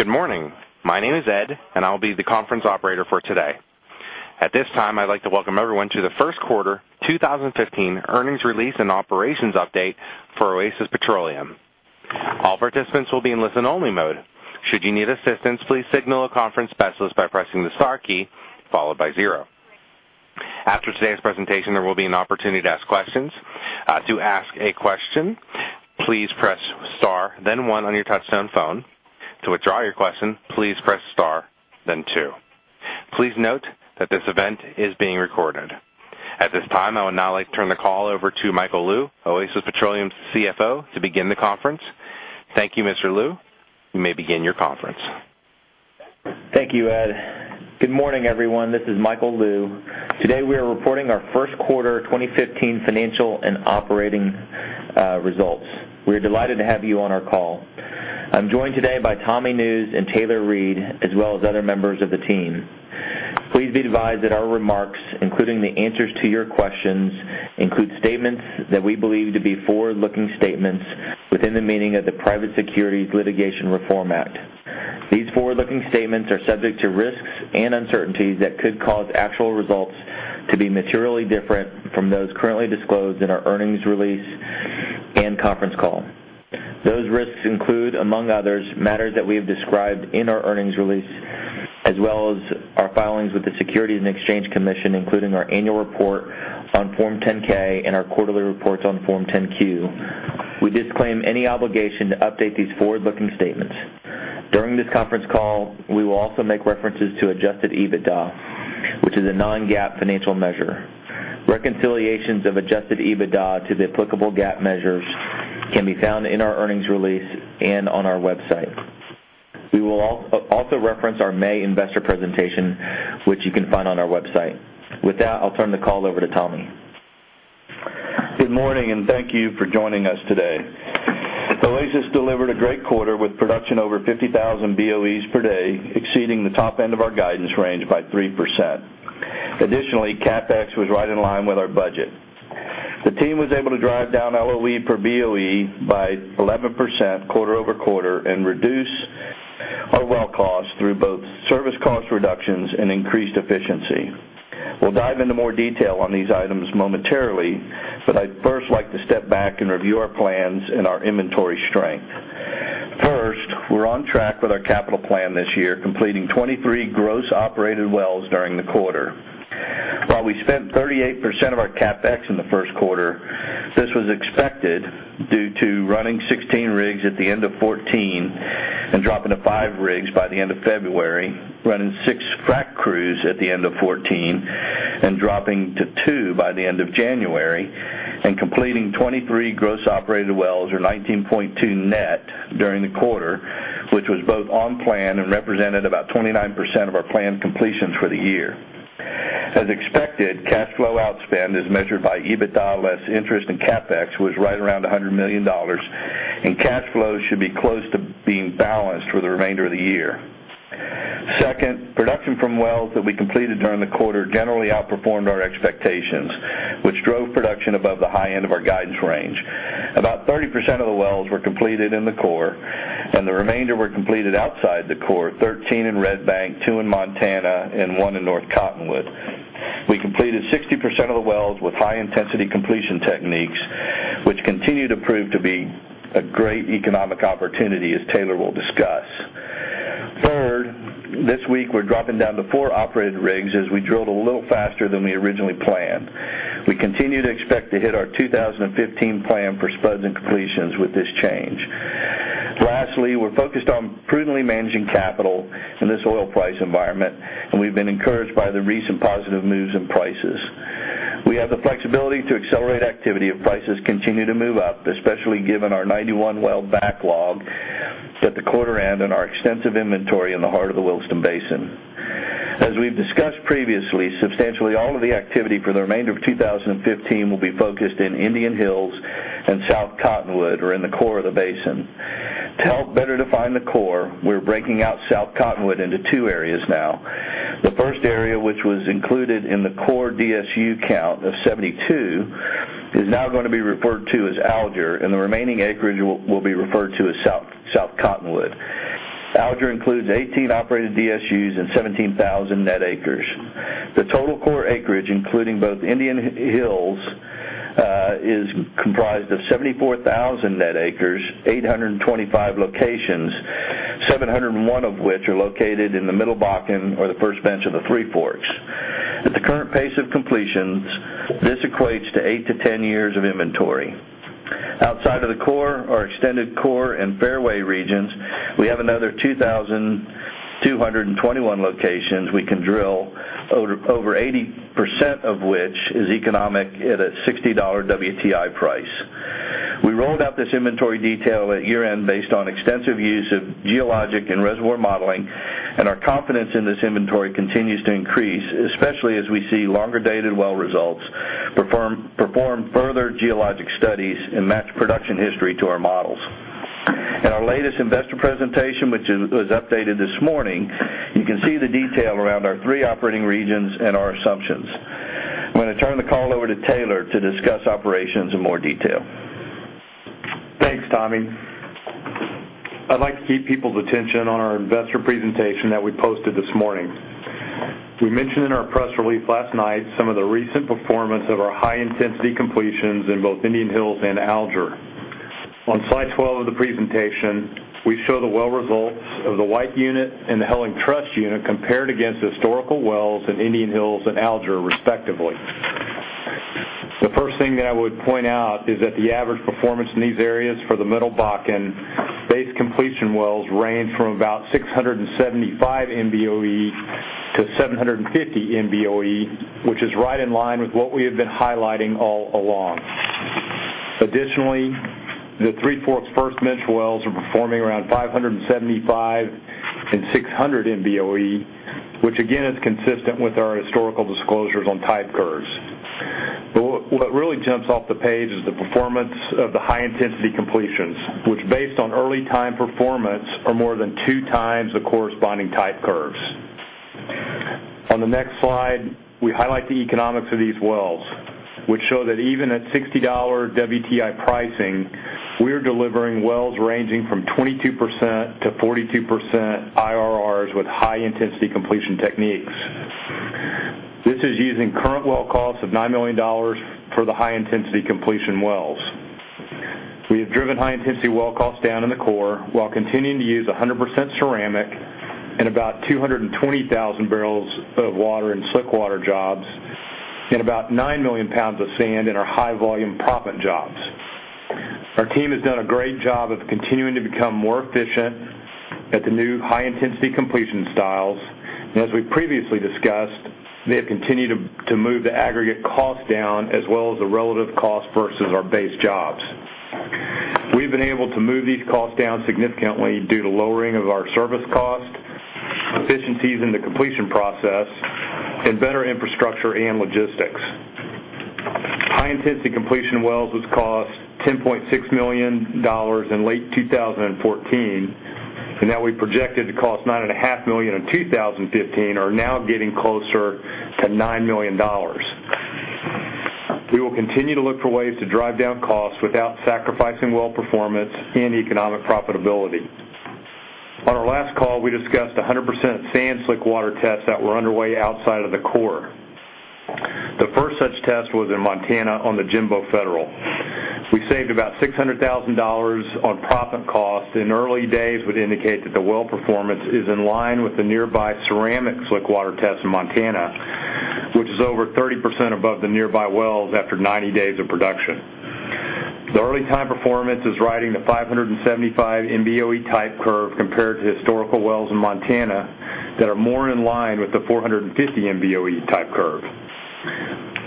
Good morning. My name is Ed, and I'll be the conference operator for today. At this time, I'd like to welcome everyone to the first quarter 2015 earnings release and operations update for Oasis Petroleum. All participants will be in listen only mode. Should you need assistance, please signal a conference specialist by pressing the star key, followed by zero. After today's presentation, there will be an opportunity to ask questions. To ask a question, please press star, then one on your touchtone phone. To withdraw your question, please press star, then two. Please note that this event is being recorded. At this time, I would now like to turn the call over to Michael Lou, Oasis Petroleum's CFO, to begin the conference. Thank you, Mr. Lou. You may begin your conference. Thank you, Ed. Good morning, everyone. This is Michael Lou. Today, we are reporting our first quarter 2015 financial and operating results. We're delighted to have you on our call. I'm joined today by Tommy Nusz and Taylor Reid, as well as other members of the team. Please be advised that our remarks, including the answers to your questions, include statements that we believe to be forward-looking statements within the meaning of the Private Securities Litigation Reform Act of 1995. These forward-looking statements are subject to risks and uncertainties that could cause actual results to be materially different from those currently disclosed in our earnings release and conference call. Those risks include, among others, matters that we have described in our earnings release, as well as our filings with the Securities and Exchange Commission, including our annual report on Form 10-K and our quarterly reports on Form 10-Q. We disclaim any obligation to update these forward-looking statements. During this conference call, we will also make references to adjusted EBITDA, which is a non-GAAP financial measure. Reconciliations of adjusted EBITDA to the applicable GAAP measures can be found in our earnings release and on our website. With that, I'll turn the call over to Tommy. Good morning. Thank you for joining us today. Oasis delivered a great quarter with production over 50,000 BOE per day, exceeding the top end of our guidance range by 3%. Additionally, CapEx was right in line with our budget. The team was able to drive down LOE per BOE by 11% quarter-over-quarter and reduce our well cost through both service cost reductions and increased efficiency. We'll dive into more detail on these items momentarily. I'd first like to step back and review our plans and our inventory strength. First, we're on track with our capital plan this year, completing 23 gross operated wells during the quarter. While we spent 38% of our CapEx in the first quarter, this was expected due to running 16 rigs at the end of 2014 and dropping to five rigs by the end of February, running six frac crews at the end of 2014 and dropping to two by the end of January, and completing 23 gross operated wells or 19.2 net during the quarter, which was both on plan and represented about 29% of our planned completions for the year. As expected, cash flow outspend, as measured by EBITDA less interest and CapEx, was right around $100 million, and cash flows should be close to being balanced for the remainder of the year. Production from wells that we completed during the quarter generally outperformed our expectations, which drove production above the high end of our guidance range. About 30% of the wells were completed in the core, and the remainder were completed outside the core, 13 in Red Bank, two in Montana, and one in North Cottonwood. We completed 60% of the wells with high intensity completion techniques, which continue to prove to be a great economic opportunity, as Taylor will discuss. This week, we're dropping down to four operated rigs as we drilled a little faster than we originally planned. We continue to expect to hit our 2015 plan for spuds and completions with this change. We're focused on prudently managing capital in this oil price environment, and we've been encouraged by the recent positive moves in prices. We have the flexibility to accelerate activity if prices continue to move up, especially given our 91 well backlog at the quarter end and our extensive inventory in the heart of the Williston Basin. As we've discussed previously, substantially all of the activity for the remainder of 2015 will be focused in Indian Hills and South Cottonwood or in the core of the basin. To help better define the core, we're breaking out South Cottonwood into two areas now. The first area, which was included in the core DSU count of 72, is now going to be referred to as Alger, and the remaining acreage will be referred to as South Cottonwood. Alger includes 18 operated DSUs and 17,000 net acres. The total core acreage, including both Indian Hills, is comprised of 74,000 net acres, 825 locations, 701 of which are located in the Middle Bakken or the First Bench of the Three Forks. At the current pace of completions, this equates to eight to 10 years of inventory. Outside of the core, our extended core and fairway regions, we have another 2,221 locations we can drill, over 80% of which is economic at a $60 WTI price. We rolled out this inventory detail at year-end based on extensive use of geologic and reservoir modeling, and our confidence in this inventory continues to increase, especially as we see longer dated well results, perform further geologic studies and match production history to our models. In our latest investor presentation, which was updated this morning, you can see the detail around our three operating regions and our assumptions. I'm going to turn the call over to Taylor to discuss operations in more detail. Thanks, Tommy. I'd like to keep people's attention on our investor presentation that we posted this morning. We mentioned in our press release last night some of the recent performance of our high-intensity completions in both Indian Hills and Alger. On slide 12 of the presentation, we show the well results of the White Unit and the Helland Trust unit compared against historical wells in Indian Hills and Alger respectively. The first thing that I would point out is that the average performance in these areas for the Middle Bakken base completion wells range from about 675 MBOE to 750 MBOE, which is right in line with what we have been highlighting all along. Additionally, the Three Forks first Bench wells are performing around 575 and 600 MBOE, which again, is consistent with our historical disclosures on type curves. What really jumps off the page is the performance of the high-intensity completions, which, based on early time performance, are more than two times the corresponding type curves. On the next slide, we highlight the economics of these wells, which show that even at $60 WTI pricing, we're delivering wells ranging from 22%-42% IRRs with high-intensity completion techniques. This is using current well costs of $9 million for the high-intensity completion wells. We have driven high-intensity well costs down in the core while continuing to use 100% ceramic and about 220,000 barrels of water in slick water jobs and about 9 million pounds of sand in our high-volume proppant jobs. Our team has done a great job of continuing to become more efficient at the new high-intensity completion styles, and as we previously discussed, they have continued to move the aggregate cost down as well as the relative cost versus our base jobs. We've been able to move these costs down significantly due to lowering of our service cost, efficiencies in the completion process, and better infrastructure and logistics. High-intensity completion wells, which cost $10.6 million in late 2014, and that we projected to cost $9.5 million in 2015, are now getting closer to $9 million. We will continue to look for ways to drive down costs without sacrificing well performance and economic profitability. On our last call, we discussed 100% sand slick water tests that were underway outside of the core. The first such test was in Montana on the Jimbo Federal. We saved about $600,000 on proppant cost, and early days would indicate that the well performance is in line with the nearby ceramic slick water test in Montana, which is over 30% above the nearby wells after 90 days of production. The early time performance is riding the 575 MBOE type curve compared to historical wells in Montana that are more in line with the 450 MBOE type curve.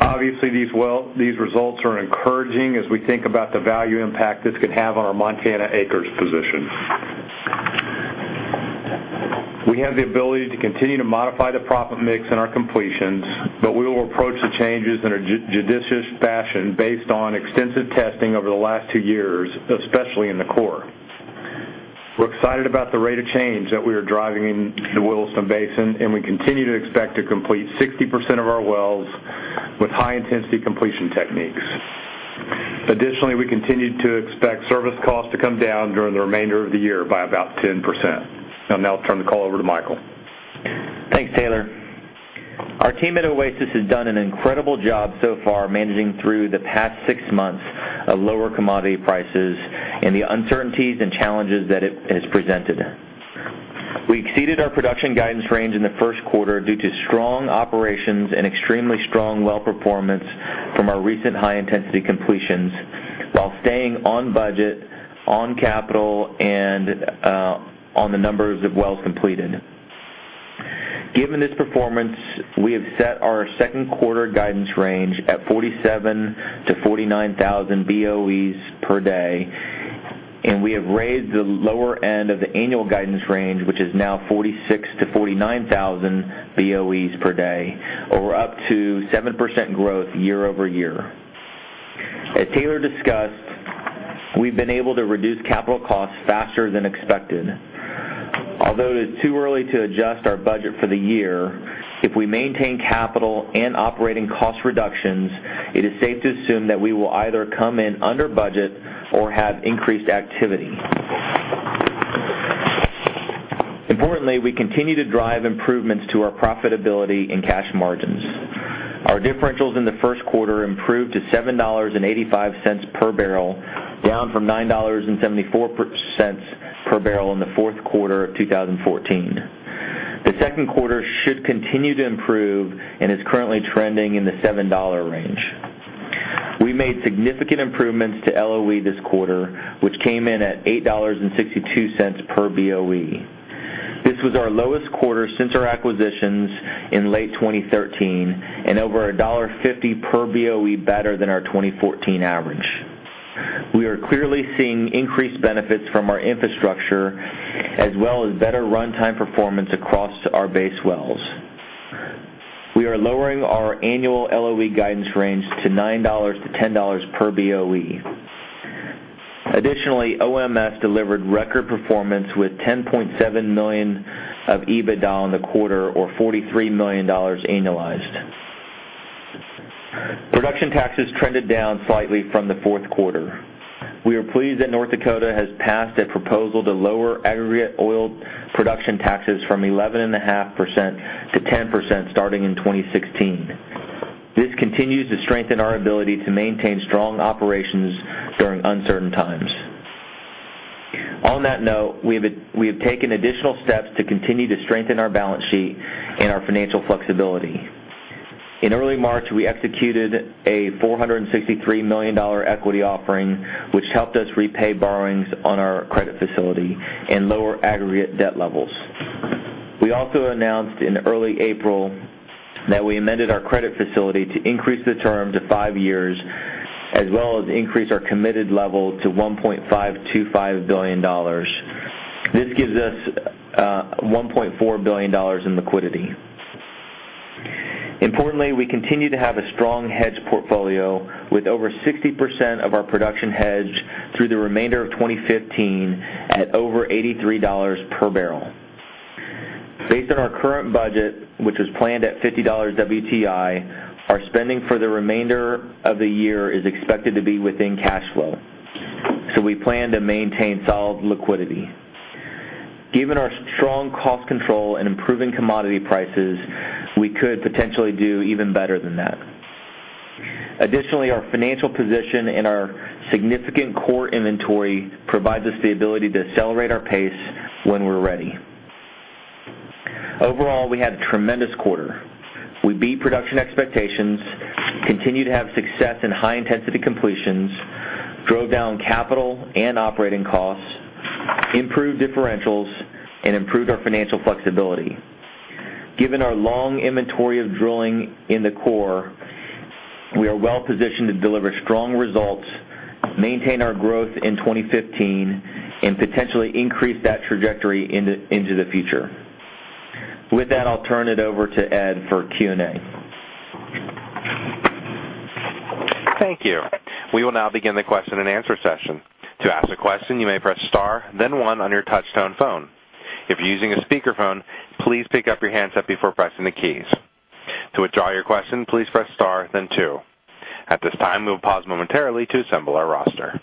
Obviously, these results are encouraging as we think about the value impact this could have on our Montana acres position. We have the ability to continue to modify the proppant mix in our completions, but we will approach the changes in a judicious fashion based on extensive testing over the last two years, especially in the core. We're excited about the rate of change that we are driving in the Williston Basin, and we continue to expect to complete 60% of our wells with high-intensity completion techniques. Additionally, we continue to expect service costs to come down during the remainder of the year by about 10%. I'll now turn the call over to Michael. Thanks, Taylor. Our team at Oasis has done an incredible job so far managing through the past 6 months of lower commodity prices and the uncertainties and challenges that it has presented. We exceeded our production guidance range in the first quarter due to strong operations and extremely strong well performance from our recent high-intensity completions while staying on budget, on capital, and on the numbers of wells completed. Given this performance, we have set our second quarter guidance range at 47,000-49,000 BOEs per day, and we have raised the lower end of the annual guidance range, which is now 46,000-49,000 BOEs per day, or up to 7% growth year-over-year. As Taylor discussed, we've been able to reduce capital costs faster than expected. Although it is too early to adjust our budget for the year, if we maintain capital and operating cost reductions, it is safe to assume that we will either come in under budget or have increased activity. Importantly, we continue to drive improvements to our profitability and cash margins. Our differentials in the first quarter improved to $7.85 per barrel, down from $9.74 per barrel in the fourth quarter of 2014. The second quarter should continue to improve and is currently trending in the $7 range. We made significant improvements to LOE this quarter, which came in at $8.62 per BOE. This was our lowest quarter since our acquisitions in late 2013 and over a $1.50 per BOE better than our 2014 average. We are clearly seeing increased benefits from our infrastructure, as well as better runtime performance across our base wells. We are lowering our annual LOE guidance range to $9-$10 per BOE. Additionally, OMP delivered record performance with $10.7 million of EBITDA in the quarter, or $43 million annualized. Production taxes trended down slightly from the fourth quarter. We are pleased that North Dakota has passed a proposal to lower aggregate oil production taxes from 11.5%-10% starting in 2016. This continues to strengthen our ability to maintain strong operations during uncertain times. On that note, we have taken additional steps to continue to strengthen our balance sheet and our financial flexibility. In early March, we executed a $463 million equity offering, which helped us repay borrowings on our credit facility and lower aggregate debt levels. We also announced in early April that we amended our credit facility to increase the term to five years, as well as increase our committed level to $1.525 billion. This gives us $1.4 billion in liquidity. Importantly, we continue to have a strong hedged portfolio with over 60% of our production hedged through the remainder of 2015 at over $83 per barrel. Based on our current budget, which was planned at $50 WTI, our spending for the remainder of the year is expected to be within cash flow, so we plan to maintain solid liquidity. Given our strong cost control and improving commodity prices, we could potentially do even better than that. Additionally, our financial position and our significant core inventory provides us the ability to accelerate our pace when we're ready. Overall, we had a tremendous quarter. We beat production expectations, continued to have success in high intensity completions, drove down capital and operating costs, improved differentials, and improved our financial flexibility. Given our long inventory of drilling in the core, we are well positioned to deliver strong results, maintain our growth in 2015, and potentially increase that trajectory into the future. With that, I'll turn it over to Ed for Q&A. Thank you. We will now begin the question and answer session. To ask a question, you may press star then one on your touch tone phone. If you're using a speakerphone, please pick up your handset before pressing the keys. To withdraw your question, please press star then two. At this time, we'll pause momentarily to assemble our roster.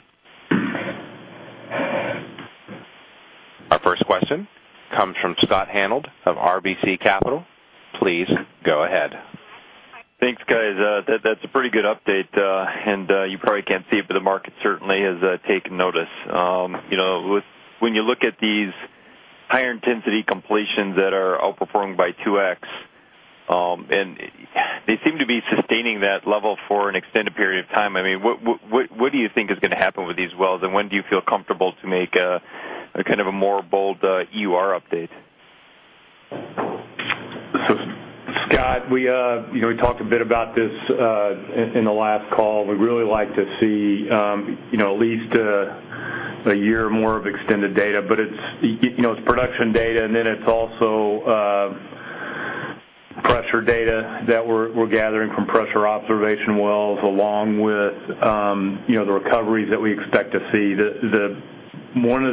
Our first question comes from Scott Hanold of RBC Capital. Please go ahead. Thanks, guys. That's a pretty good update, and you probably can't see it, but the market certainly has taken notice. When you look at these higher intensity completions that are outperforming by 2x, and they seem to be sustaining that level for an extended period of time, what do you think is going to happen with these wells, and when do you feel comfortable to make a more bold EUR update? Scott, we talked a bit about this in the last call. We'd really like to see at least a year or more of extended data. It's production data and then it's also pressure data that we're gathering from pressure observation wells, along with the recoveries that we expect to see. One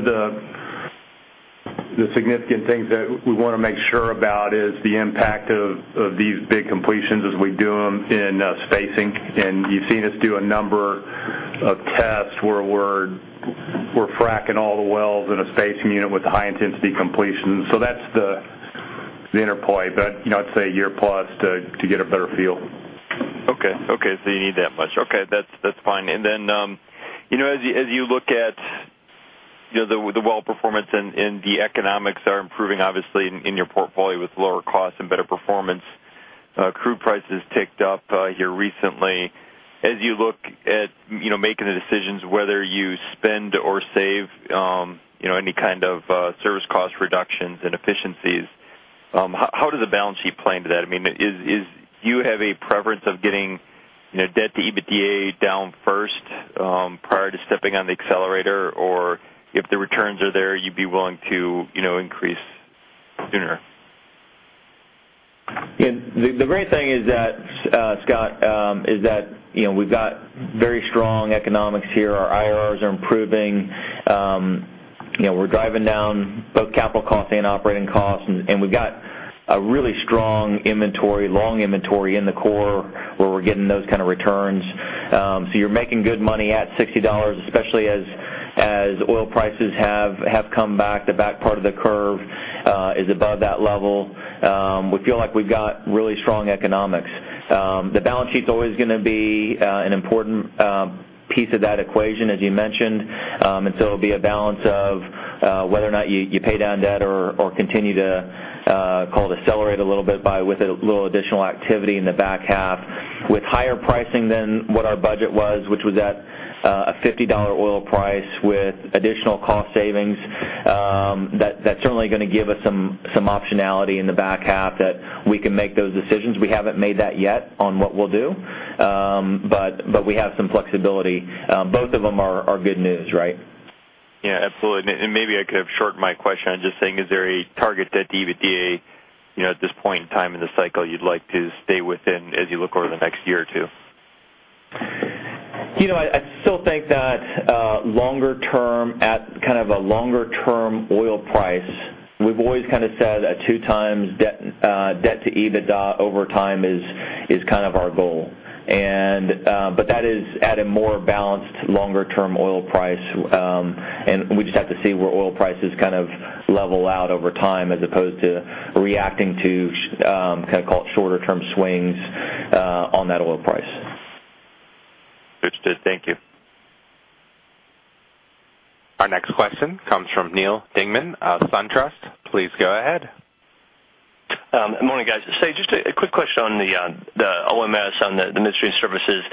of the significant things that we want to make sure about is the impact of these big completions as we do them in spacing. You've seen us do a number of tests where we're fracking all the wells in a spacing unit with high intensity completions. That's the interplay. I'd say a year plus to get a better feel. Okay. You need that much. Okay, that's fine. Then as you look at the well performance and the economics are improving, obviously, in your portfolio with lower costs and better performance, crude prices ticked up here recently. As you look at making the decisions whether you spend or save any kind of service cost reductions and efficiencies, how does the balance sheet play into that? Do you have a preference of getting debt to EBITDA down first prior to stepping on the accelerator? If the returns are there, you'd be willing to increase sooner? The great thing, Scott, is that we've got very strong economics here. Our IRRs are improving. We're driving down both capital costs and operating costs, and we've got a really strong inventory, long inventory in the core where we're getting those kind of returns. You're making good money at $60, especially as oil prices have come back. The back part of the curve is above that level. We feel like we've got really strong economics. The balance sheet's always going to be an important piece of that equation, as you mentioned. It'll be a balance of whether or not you pay down debt or continue to call to accelerate a little bit with a little additional activity in the back half. With higher pricing than what our budget was, which was at a $50 oil price with additional cost savings, that's certainly going to give us some optionality in the back half that we can make those decisions. We haven't made that yet on what we'll do. We have some flexibility. Both of them are good news, right? Yeah, absolutely. Maybe I could have shortened my question. I'm just saying, is there a target debt to EBITDA at this point in time in the cycle you'd like to stay within as you look over the next year or two? I still think that at a longer-term oil price, we've always said a two times debt to EBITDA over time is our goal. That is at a more balanced longer-term oil price, and we just have to see where oil prices level out over time as opposed to reacting to shorter-term swings on that oil price. Understood. Thank you. Our next question comes from Neal Dingmann of SunTrust. Please go ahead. Morning, guys. Just a quick question on the OMS, on the midstream services.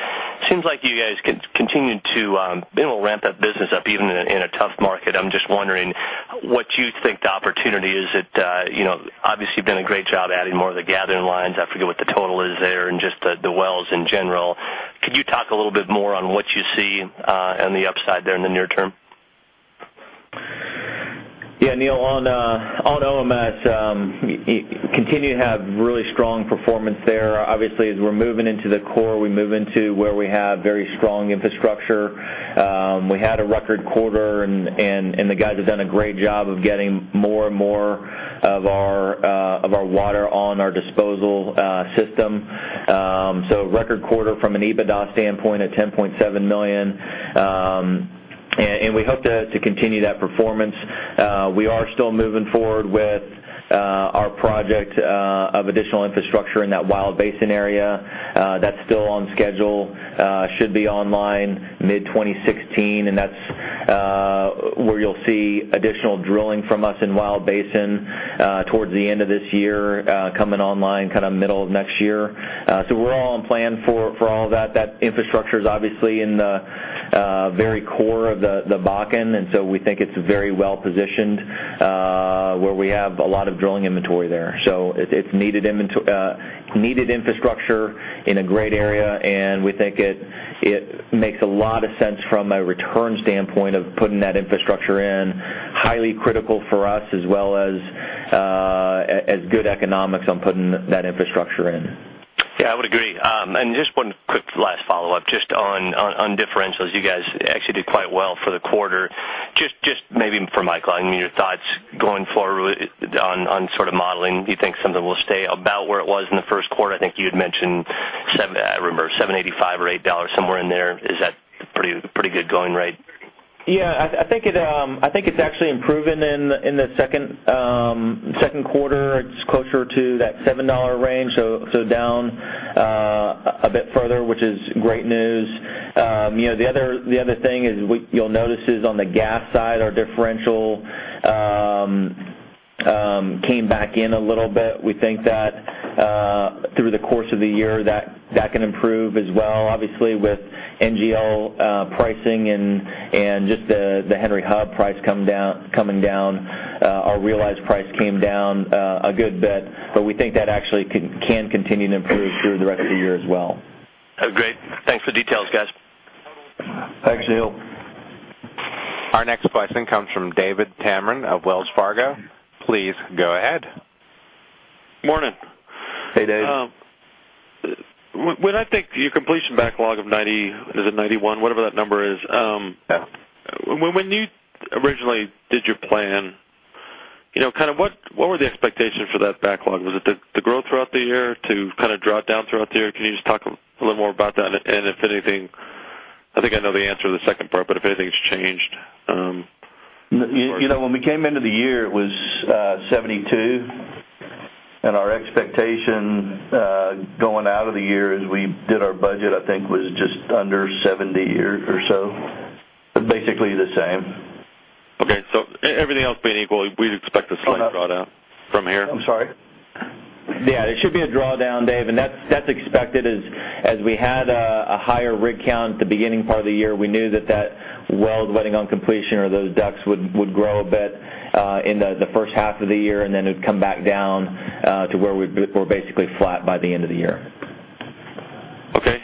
Seems like you guys continue to be able to ramp that business up even in a tough market. I'm just wondering what you think the opportunity is. Obviously, you've done a great job adding more of the gathering lines. I forget what the total is there and just the wells in general. Could you talk a little bit more on what you see on the upside there in the near term? Yeah, Neal, on OMS, continue to have really strong performance there. Obviously, as we're moving into the core, we move into where we have very strong infrastructure. We had a record quarter, and the guys have done a great job of getting more and more of our water on our disposal system. Record quarter from an EBITDA standpoint of $10.7 million, and we hope to continue that performance. We are still moving forward with our project of additional infrastructure in that Williston Basin area. That's still on schedule. Should be online mid-2016, and that's where you'll see additional drilling from us in Williston Basin towards the end of this year, coming online middle of next year. We're all on plan for all that. That infrastructure is obviously in the very core of the Bakken, we think it's very well-positioned, where we have a lot of drilling inventory there. It's needed infrastructure in a great area, we think it makes a lot of sense from a return standpoint of putting that infrastructure in. Highly critical for us as well as good economics on putting that infrastructure in. Yeah, I would agree. Just one quick last follow-up, just on differentials. You guys actually did quite well for the quarter. Just maybe for Michael, your thoughts going forward on modeling. Do you think some of it will stay about where it was in the first quarter? I think you had mentioned, I remember $7.85 or $8, somewhere in there. Is that pretty good going rate? Yeah, I think it's actually improving in the second quarter. It's closer to that $7 range, so down a bit further, which is great news. The other thing you'll notice is on the gas side, our differential came back in a little bit. We think that through the course of the year, that can improve as well. Obviously, with NGL pricing and just the Henry Hub price coming down, our realized price came down a good bit. We think that actually can continue to improve through the rest of the year as well. Oh, great. Thanks for the details, guys. Thanks, Neal. Our next question comes from David Tameron of Wells Fargo. Please go ahead. Morning. Hey, Dave. When I think your completion backlog of 90, is it 91? Whatever that number is. Yeah. When you originally did your plan, what were the expectations for that backlog? Was it the growth throughout the year to draw it down throughout the year? Can you just talk a little more about that? If anything, I think I know the answer to the second part, but if anything's changed. When we came into the year, it was 72. Our expectation going out of the year as we did our budget, I think, was just under 70 or so. Basically the same. Okay. Everything else being equal, we'd expect a slight drawdown from here? I'm sorry? Yeah, there should be a drawdown, Dave, that's expected as we had a higher rig count at the beginning part of the year. We knew that that well waiting on completion or those DUCs would grow a bit in the first half of the year, then it would come back down to where we're basically flat by the end of the year. Okay.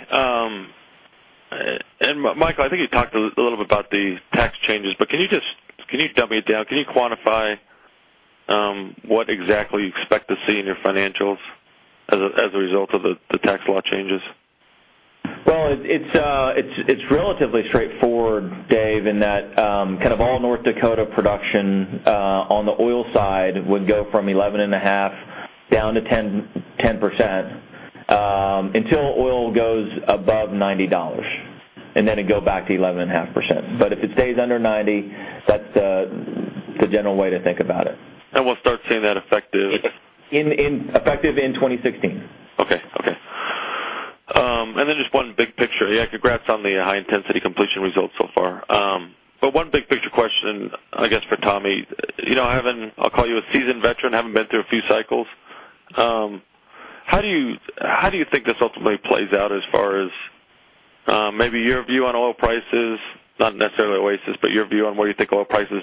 Michael, I think you talked a little bit about the tax changes, can you dumb it down? Can you quantify what exactly you expect to see in your financials as a result of the tax law changes? Well, it's relatively straightforward, Dave, in that all North Dakota production on the oil side would go from 11.5 down to 10% until oil goes above $90, and then it'd go back to 11.5%. If it stays under 90, that's the general way to think about it. We'll start seeing that effective? Effective in 2016. Okay. Then just one big picture. Yeah, congrats on the high-intensity completion results so far. One big picture question, I guess, for Tommy. I'll call you a seasoned veteran, having been through a few cycles. How do you think this ultimately plays out as far as maybe your view on oil prices? Not necessarily Oasis, but your view on where you think oil prices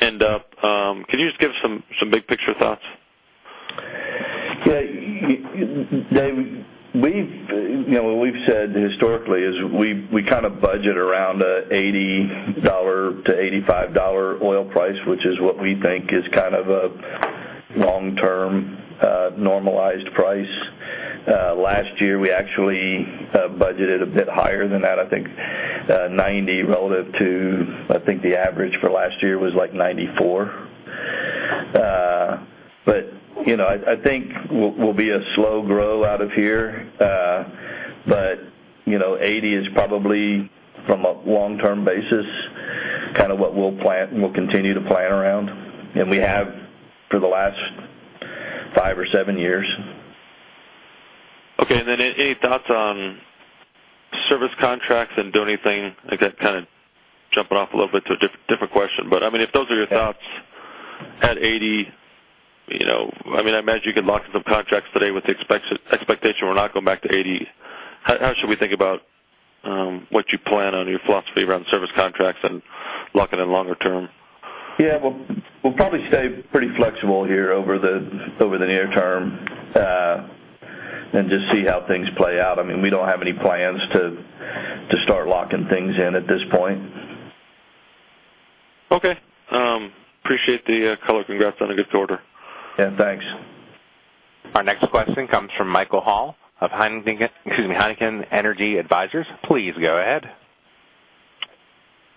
end up. Can you just give some big picture thoughts? Dave, what we've said historically is we budget around $80-$85 oil price, which is what we think is a long-term normalized price. Last year, we actually budgeted a bit higher than that. I think 90 relative to the average for last year was like 94. I think we'll be a slow grow out of here. $80 is probably, from a long-term basis, what we'll continue to plan around. We have for the last five or seven years. Okay. Any thoughts on service contracts and doing anything I guess, kind of jumping off a little bit to a different question. If those are your thoughts at $80, I imagine you can lock in some contracts today with the expectation we're not going back to $80. How should we think about what you plan on your philosophy around service contracts and locking in longer term? Yeah. We'll probably stay pretty flexible here over the near term, just see how things play out. We don't have any plans to start locking things in at this point. Okay. Appreciate the color. Congrats on a good quarter. Yeah, thanks. Our next question comes from Michael Hall of Heikkinen Energy Advisors. Please go ahead.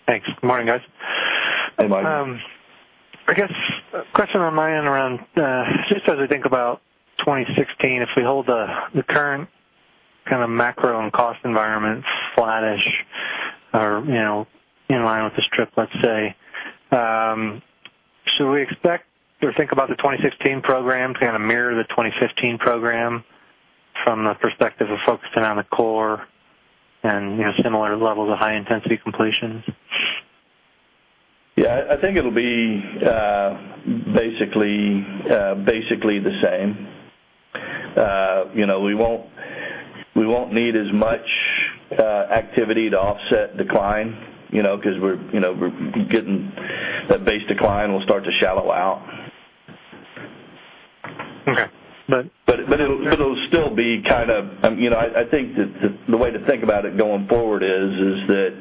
Thanks. Good morning, guys. Hey, Michael. I guess a question on my end around, just as I think about 2016, if we hold the current macro and cost environment flattish or in line with the strip, let's say, should we expect or think about the 2016 program to mirror the 2015 program from the perspective of focusing on the core and similar levels of high intensity completions? Yeah. I think it'll be basically the same. We won't need as much activity to offset decline, because that base decline will start to shallow out. Okay. It'll still be I think that the way to think about it going forward is that,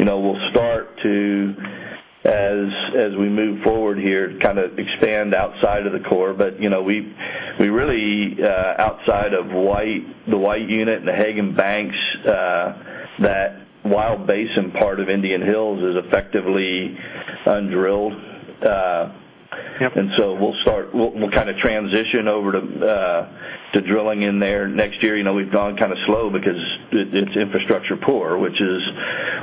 we'll start to, as we move forward here, expand outside of the core. We really, outside of the White Unit and the Hagen Banks, that Wild Basin part of Indian Hills is effectively undrilled. Yep. We'll transition over to drilling in there next year. We've gone slow because it's infrastructure poor, which is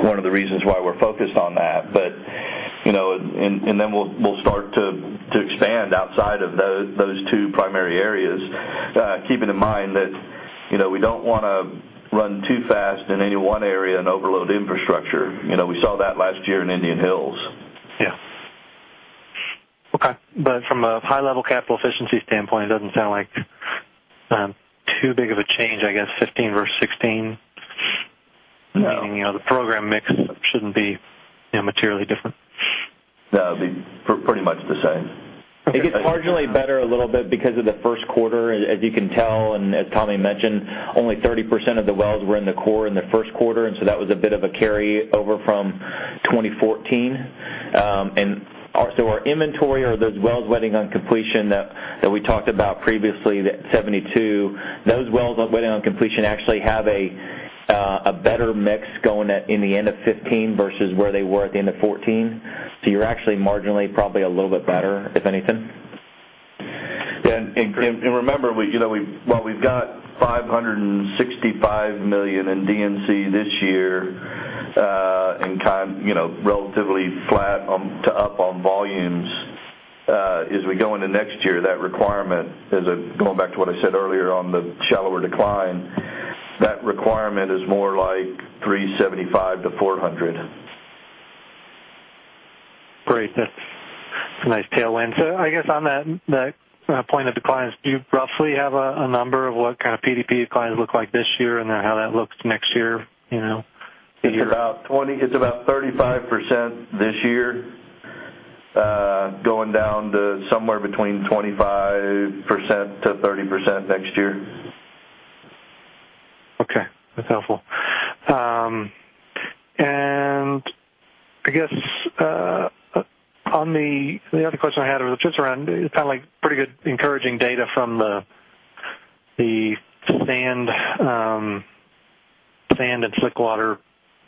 one of the reasons why we're focused on that. We'll start to expand outside of those two primary areas, keeping in mind that we don't want to run too fast in any one area and overload infrastructure. We saw that last year in Indian Hills. Yeah. Okay. From a high level capital efficiency standpoint, it doesn't sound like too big of a change, I guess, 2015 versus 2016. No. Meaning, the program mix shouldn't be materially different. No. It'll be pretty much the same. It gets marginally better a little bit because of the first quarter, as you can tell. As Tommy mentioned, only 30% of the wells were in the core in the first quarter. That was a bit of a carryover from 2014. Our inventory or those wells waiting on completion that we talked about previously, that 72, those wells waiting on completion actually have a better mix going in the end of 2015 versus where they were at the end of 2014. You're actually marginally probably a little bit better, if anything. Yeah. Remember, while we've got $565 million in D&C this year, in relatively flat to up on volumes, as we go into next year, that requirement is, going back to what I said earlier on the shallower decline, that requirement is more like $375 million-$400 million. Great. That's a nice tailwind. I guess on that point of declines, do you roughly have a number of what kind of PDP declines look like this year, and then how that looks next year? It's about 35% this year, going down to somewhere between 25%-30% next year. Okay. That's helpful. I guess the other question I had was just around, it sound like pretty good encouraging data from the sand and slick water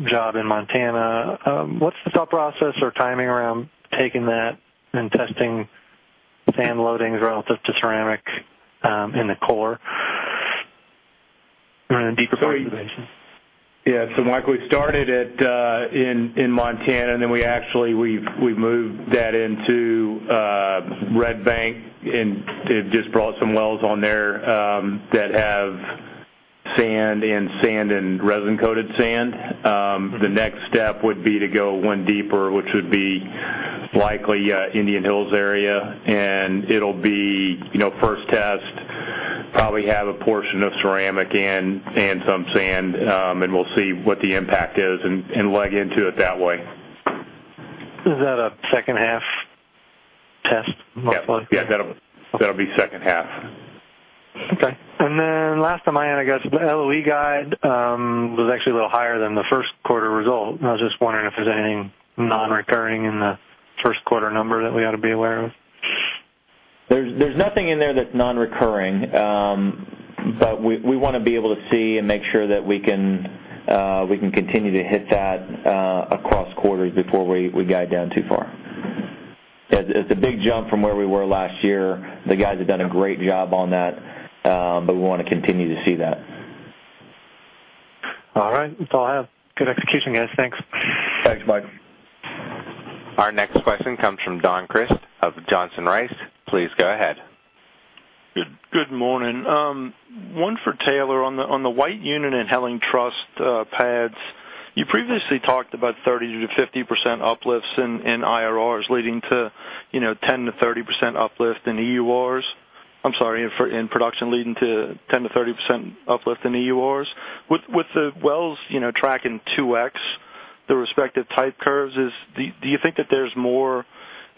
job in Montana. What's the thought process or timing around taking that and testing sand loadings relative to ceramic in the core or in deeper concentrations? Yeah. Michael, we started in Montana, we actually moved that into Red Bank, just brought some wells on there that have sand and resin-coated sand. The next step would be to go one deeper, which would be likely Indian Hills area, it'll be first test, probably have a portion of ceramic in and some sand, we'll see what the impact is and leg into it that way. Is that a second half test, most likely? Yeah. That'll be second half. Okay. Last time, I guess the LOE guide was actually a little higher than the first quarter result, I was just wondering if there's anything non-recurring in the first quarter number that we ought to be aware of. There's nothing in there that's non-recurring. We want to be able to see and make sure that we can continue to hit that across quarters before we guide down too far. It's a big jump from where we were last year. The guys have done a great job on that, we want to continue to see that. All right. That's all I have. Good execution, guys. Thanks. Thanks, Mike. Our next question comes from Don Crist of Johnson Rice. Please go ahead. Good morning. One for Taylor on the White Unit and Helland Trust pads. You previously talked about 30%-50% uplifts in IRRs leading to 10%-30% uplift in EURs. I'm sorry, in production leading to 10%-30% uplift in EURs. With the wells tracking 2x, the respective type curves, do you think that there's more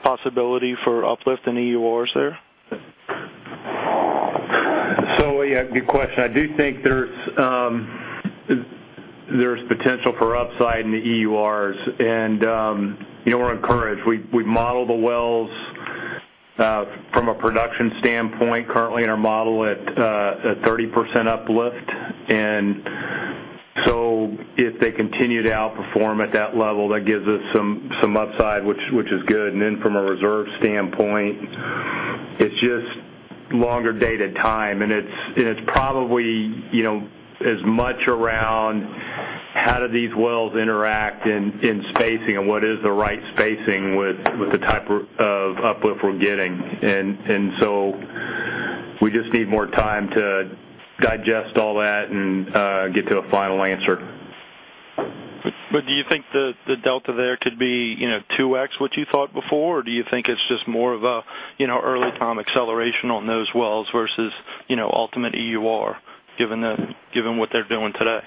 possibility for uplift in EURs there? Yeah, good question. I do think there's potential for upside in the EURs, and we're encouraged. We model the wells from a production standpoint currently in our model at a 30% uplift. If they continue to outperform at that level, that gives us some upside, which is good. From a reserve standpoint, it's just longer dated time, and it's probably as much around how do these wells interact in spacing and what is the right spacing with the type of uplift we're getting. We just need more time to digest all that and get to a final answer. Do you think the delta there could be 2x what you thought before, or do you think it's just more of a early time acceleration on those wells versus ultimate EUR, given what they're doing today?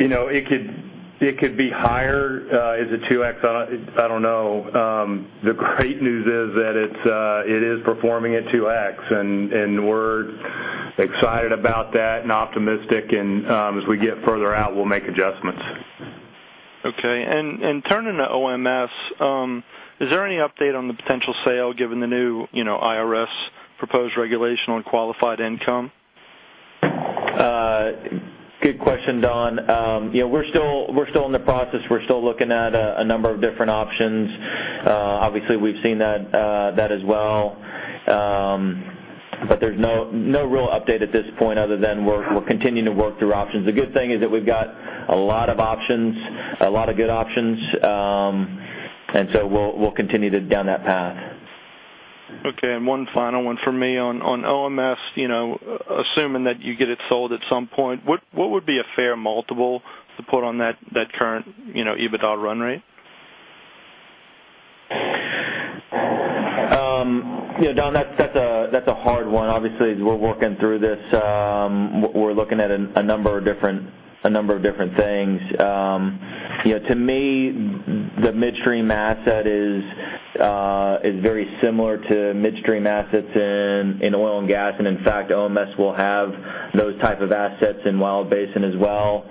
It could be higher. Is it 2x? I don't know. The great news is that it is performing at 2x, and we're excited about that and optimistic. As we get further out, we'll make adjustments. Okay. Turning to OMS, is there any update on the potential sale given the new IRS proposed regulation on qualified income? Good question, Don. We're still in the process. We're still looking at a number of different options. Obviously, we've seen that as well. There's no real update at this point other than we're continuing to work through options. The good thing is that we've got a lot of options, a lot of good options. We'll continue down that path. Okay. One final one from me on OMS. Assuming that you get it sold at some point, what would be a fair multiple to put on that current EBITDA run rate? Don, that's a hard one. Obviously, as we're working through this, we're looking at a number of different things. To me, the midstream asset is very similar to midstream assets in oil and gas. In fact, OMS will have those type of assets in Williston Basin as well.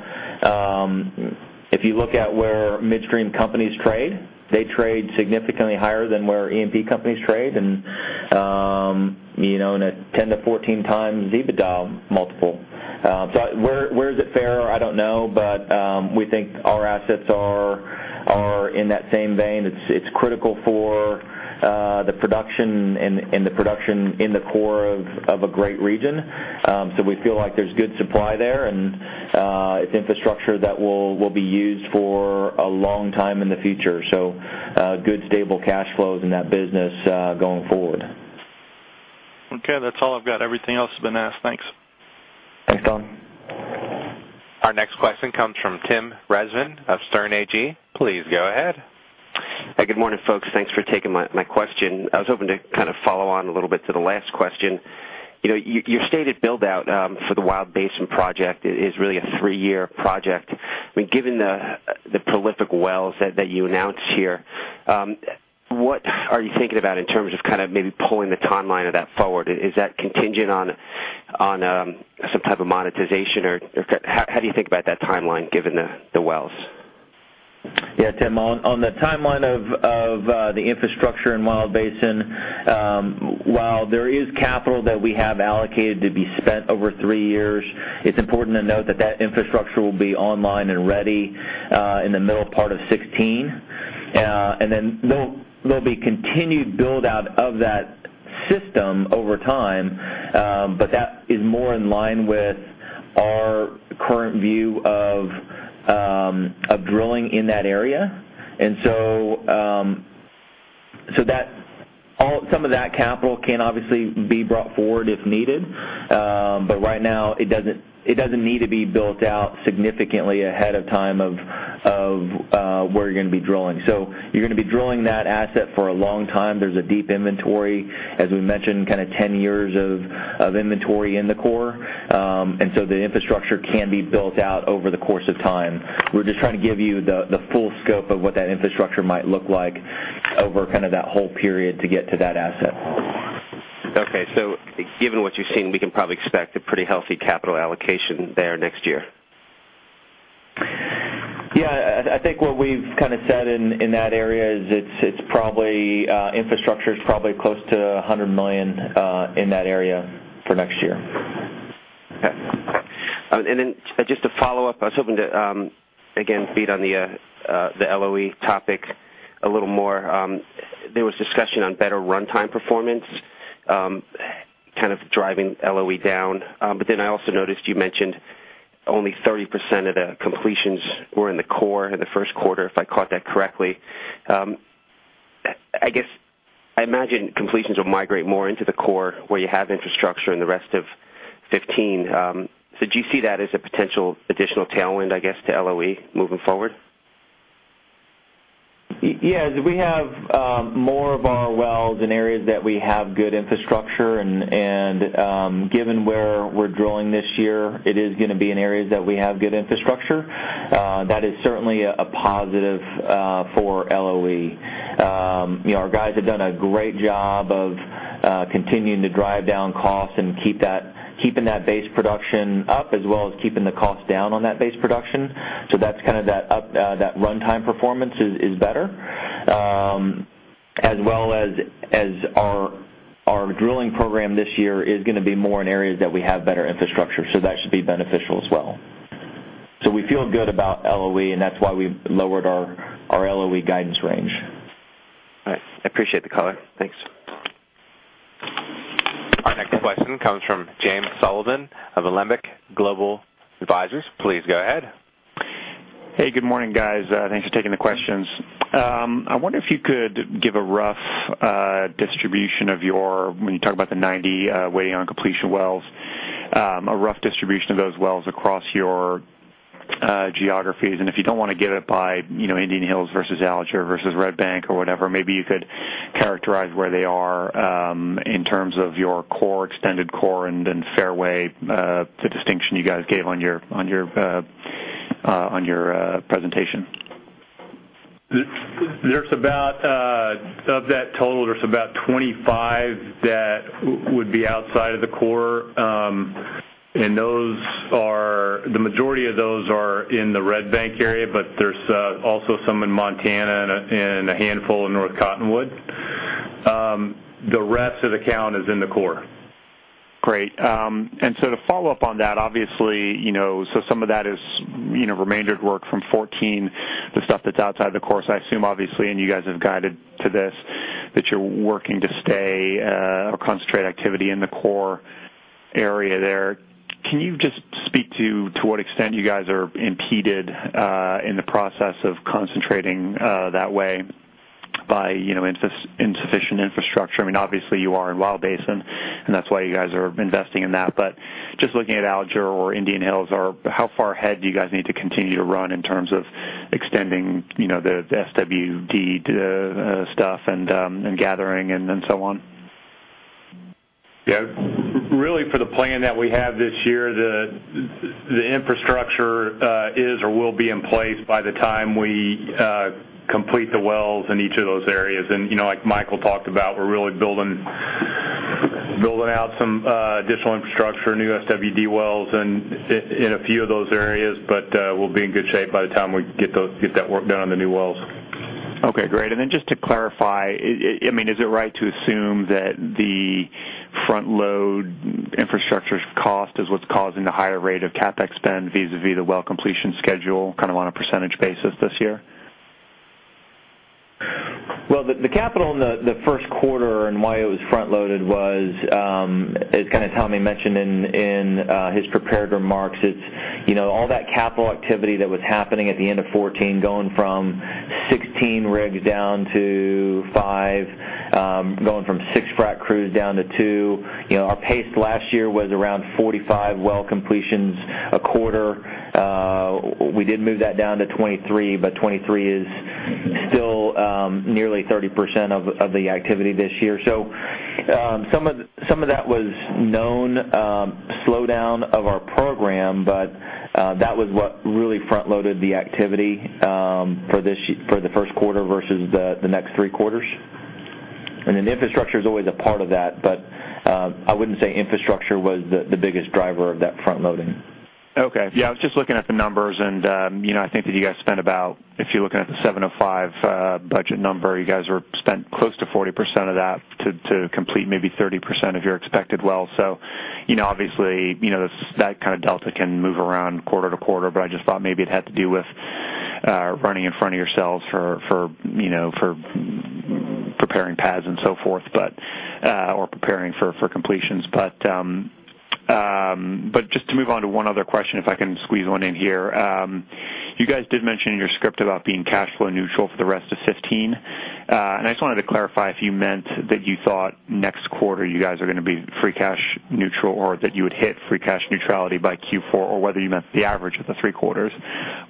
If you look at where midstream companies trade, they trade significantly higher than where E&P companies trade, and in a 10 to 14 times EBITDA multiple. Where is it fair? I don't know, but we think our assets are in that same vein. It's critical for the production in the core of a great region. We feel like there's good supply there, and it's infrastructure that will be used for a long time in the future. Good stable cash flows in that business going forward. Okay, that's all I've got. Everything else has been asked. Thanks. Thanks, Don. Our next question comes from Tim Rezvan of Sterne Agee. Please go ahead. Hey, good morning, folks. Thanks for taking my question. I was hoping to follow on a little bit to the last question. Your stated build-out for the Wild Basin project is really a three-year project. Given the prolific wells that you announced here, what are you thinking about in terms of maybe pulling the timeline of that forward? Is that contingent on some type of monetization, or how do you think about that timeline given the wells? Yeah, Tim, on the timeline of the infrastructure in Wild Basin, while there is capital that we have allocated to be spent over three years, it's important to note that that infrastructure will be online and ready in the middle part of 2016. Then there'll be continued build-out of that system over time. That is more in line with our current view of drilling in that area. Some of that capital can obviously be brought forward if needed. Right now, it doesn't need to be built out significantly ahead of time of where you're going to be drilling. You're going to be drilling that asset for a long time. There's a deep inventory, as we mentioned, 10 years of inventory in the core. The infrastructure can be built out over the course of time. We're just trying to give you the full scope of what that infrastructure might look like Over kind of that whole period to get to that asset. Okay. Given what you've seen, we can probably expect a pretty healthy capital allocation there next year. Yeah. I think what we've said in that area is infrastructure is probably close to $100 million in that area for next year. Okay. Just to follow up, I was hoping to again feed on the LOE topic a little more. There was discussion on better runtime performance, kind of driving LOE down. I also noticed you mentioned only 30% of the completions were in the core in the first quarter, if I caught that correctly. I imagine completions will migrate more into the core where you have infrastructure in the rest of 2015. Do you see that as a potential additional tailwind, I guess, to LOE moving forward? Yes, we have more of our wells in areas that we have good infrastructure, and given where we're drilling this year, it is going to be in areas that we have good infrastructure. That is certainly a positive for LOE. Our guys have done a great job of continuing to drive down costs and keeping that base production up, as well as keeping the cost down on that base production. That's kind of that up, that runtime performance is better. As well as our drilling program this year is going to be more in areas that we have better infrastructure, that should be beneficial as well. We feel good about LOE, and that's why we've lowered our LOE guidance range. All right. I appreciate the color. Thanks. Our next question comes from James Sullivan of Alembic Global Advisors. Please go ahead. Hey, good morning, guys. Thanks for taking the questions. I wonder if you could give a rough distribution of your, when you talk about the 90 waiting on completion wells, a rough distribution of those wells across your geographies. If you don't want to give it by Indian Hills versus Alger versus Red Bank or whatever, maybe you could characterize where they are in terms of your core, extended core, and then fairway, the distinction you guys gave on your presentation. Of that total, there's about 25 that would be outside of the core. The majority of those are in the Red Bank area, but there's also some in Montana and a handful in North Cottonwood. The rest of the count is in the core. Great. To follow up on that, obviously, some of that is remaindered work from 2014, the stuff that's outside the core. I assume obviously, and you guys have guided to this, that you're working to stay or concentrate activity in the core area there. Can you just speak to what extent you guys are impeded in the process of concentrating that way by insufficient infrastructure? Obviously you are in Williston Basin, and that's why you guys are investing in that. Just looking at Alger or Indian Hills, how far ahead do you guys need to continue to run in terms of extending the SWD stuff and gathering and so on? Yeah. Really for the plan that we have this year, the infrastructure is or will be in place by the time we complete the wells in each of those areas. Like Michael talked about, we're really building out some additional infrastructure, new SWD wells in a few of those areas. We'll be in good shape by the time we get that work done on the new wells. Okay, great. Just to clarify, is it right to assume that the front load infrastructure's cost is what's causing the higher rate of CapEx spend vis-a-vis the well completion schedule on a percentage basis this year? Well, the capital in the first quarter and why it was front loaded was, as Tommy mentioned in his prepared remarks, it's all that capital activity that was happening at the end of 2014, going from 16 rigs down to five, going from six frac crews down to two. Our pace last year was around 45 well completions a quarter. We did move that down to 23 is still nearly 30% of the activity this year. Some of that was known slowdown of our program, that was what really front loaded the activity for the first quarter versus the next three quarters. Infrastructure's always a part of that, I wouldn't say infrastructure was the biggest driver of that front loading. Okay. Yeah, I was just looking at the numbers, and I think that you guys spent about, if you're looking at the $705 budget number, you guys spent close to 40% of that to complete maybe 30% of your expected wells. Obviously, that kind of delta can move around quarter-to-quarter, but I just thought maybe it had to do with running in front of yourselves for preparing pads and so forth, or preparing for completions. Just to move on to one other question, if I can squeeze one in here. You guys did mention in your script about being cash flow neutral for the rest of 2015. I just wanted to clarify if you meant that you thought next quarter you guys are going to be free cash neutral, or that you would hit free cash neutrality by Q4, or whether you meant the average of the three quarters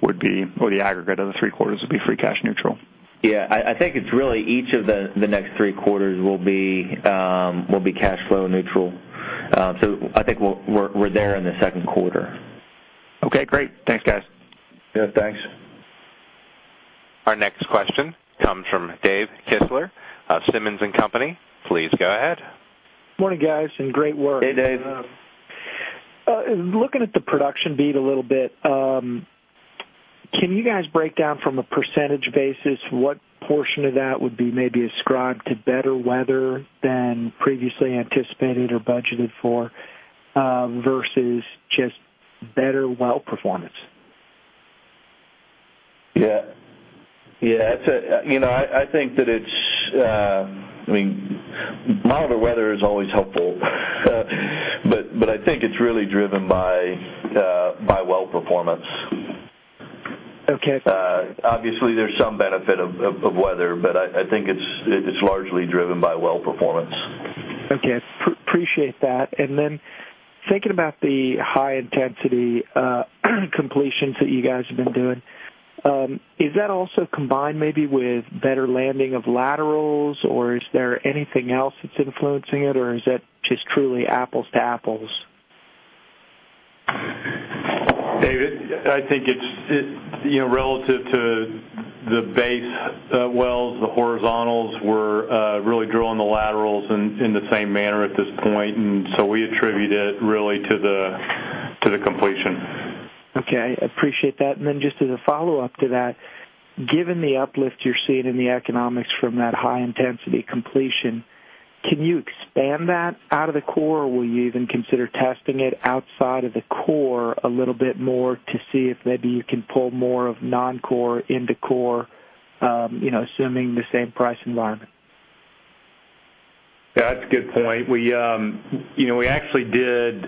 would be, or the aggregate of the three quarters would be free cash neutral. Yeah. I think it's really each of the next three quarters will be cash flow neutral. I think we're there in the second quarter. Okay, great. Thanks, guys. Yeah, thanks. Our next question comes from Dave Kistler of Simmons & Company. Please go ahead. Morning, guys. Great work. Hey, Dave. Looking at the production beat a little bit, can you guys break down from a percentage basis what portion of that would be maybe ascribed to better weather than previously anticipated or budgeted for, versus just better well performance? Yeah. I think that it's milder weather is always helpful, but I think it's really driven by well performance. Okay. Obviously, there's some benefit of weather, but I think it's largely driven by well performance. Okay. Appreciate that. Thinking about the high-intensity completions that you guys have been doing, is that also combined maybe with better landing of laterals, or is there anything else that's influencing it, or is that just truly apples to apples? David, I think it's relative to the base wells. The horizontals, we're really drilling the laterals in the same manner at this point, we attribute it really to the completion. Okay. I appreciate that. Just as a follow-up to that, given the uplift you're seeing in the economics from that high-intensity completion, can you expand that out of the core, will you even consider testing it outside of the core a little bit more to see if maybe you can pull more of non-core into core, assuming the same price environment? Yeah, that's a good point. We actually did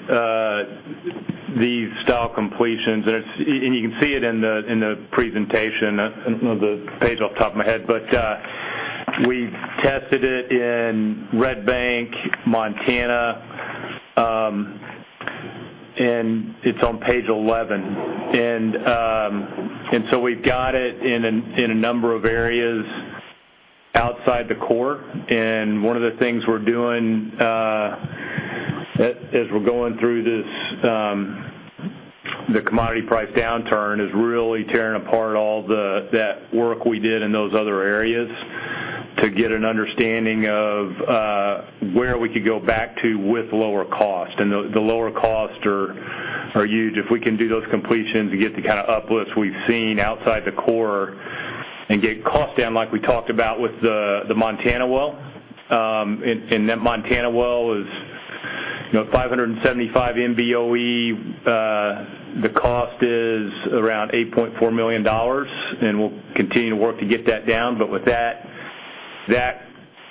these style completions, you can see it in the presentation. I don't know the page off the top of my head, but we tested it in Red Bank, Montana, it's on page 11. We've got it in a number of areas outside the core, one of the things we're doing as we're going through the commodity price downturn, is really tearing apart all that work we did in those other areas to get an understanding of where we could go back to with lower cost. The lower cost are huge. If we can do those completions get the kind of uplifts we've seen outside the core get cost down like we talked about with the Montana well. That Montana well is 575 MBOE. The cost is around $8.4 million, we'll continue to work to get that down. With that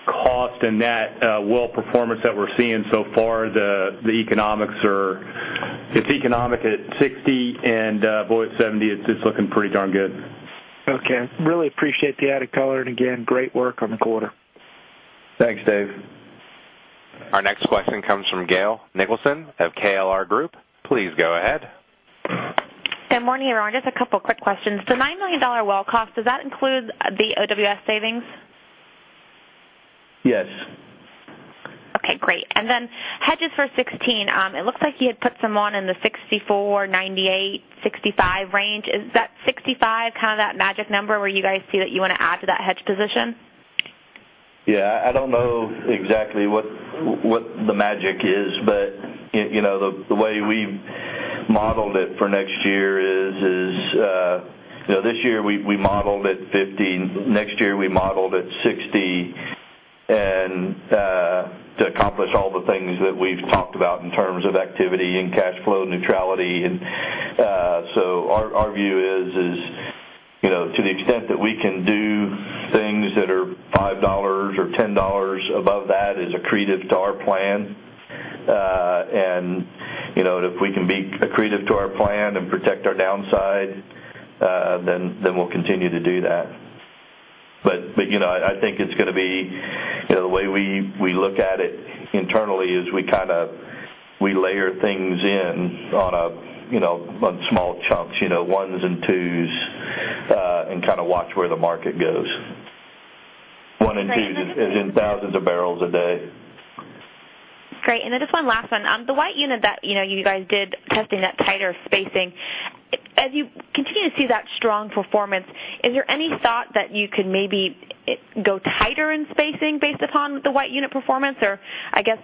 cost that well performance that we're seeing so far, it's economic at $60, oil at $70. It's looking pretty darn good. Okay. Really appreciate the added color. Again, great work on the quarter. Thanks, Dave. Our next question comes from Gale Nicholson of KLR Group. Please go ahead. Good morning, everyone. Just a couple of quick questions. The $9 million well cost, does that include the OWS savings? Yes. Okay, great. Hedges for 2016. It looks like you had put [someone] in the $64, $98, $65 range. Is that $65 that magic number where you guys feel that you want to add to that hedge position? Yeah. I don't know exactly what the magic is, the way we've modeled it for next year is, this year we modeled at $50, next year we modeled at $60, to accomplish all the things that we've talked about in terms of activity and cash flow neutrality. Our view is to the extent that we can do things that are $5 or $10 above that is accretive to our plan. If we can be accretive to our plan and protect our downside, we'll continue to do that. I think it's going to be the way we look at it internally is we layer things in on small chunks, ones and twos, and watch where the market goes. One and twos- Right. As in thousands of barrels a day. Great. Just one last one. The White Unit that you guys did testing that tighter spacing. As you continue to see that strong performance, is there any thought that you could maybe go tighter in spacing based upon the White Unit performance? I guess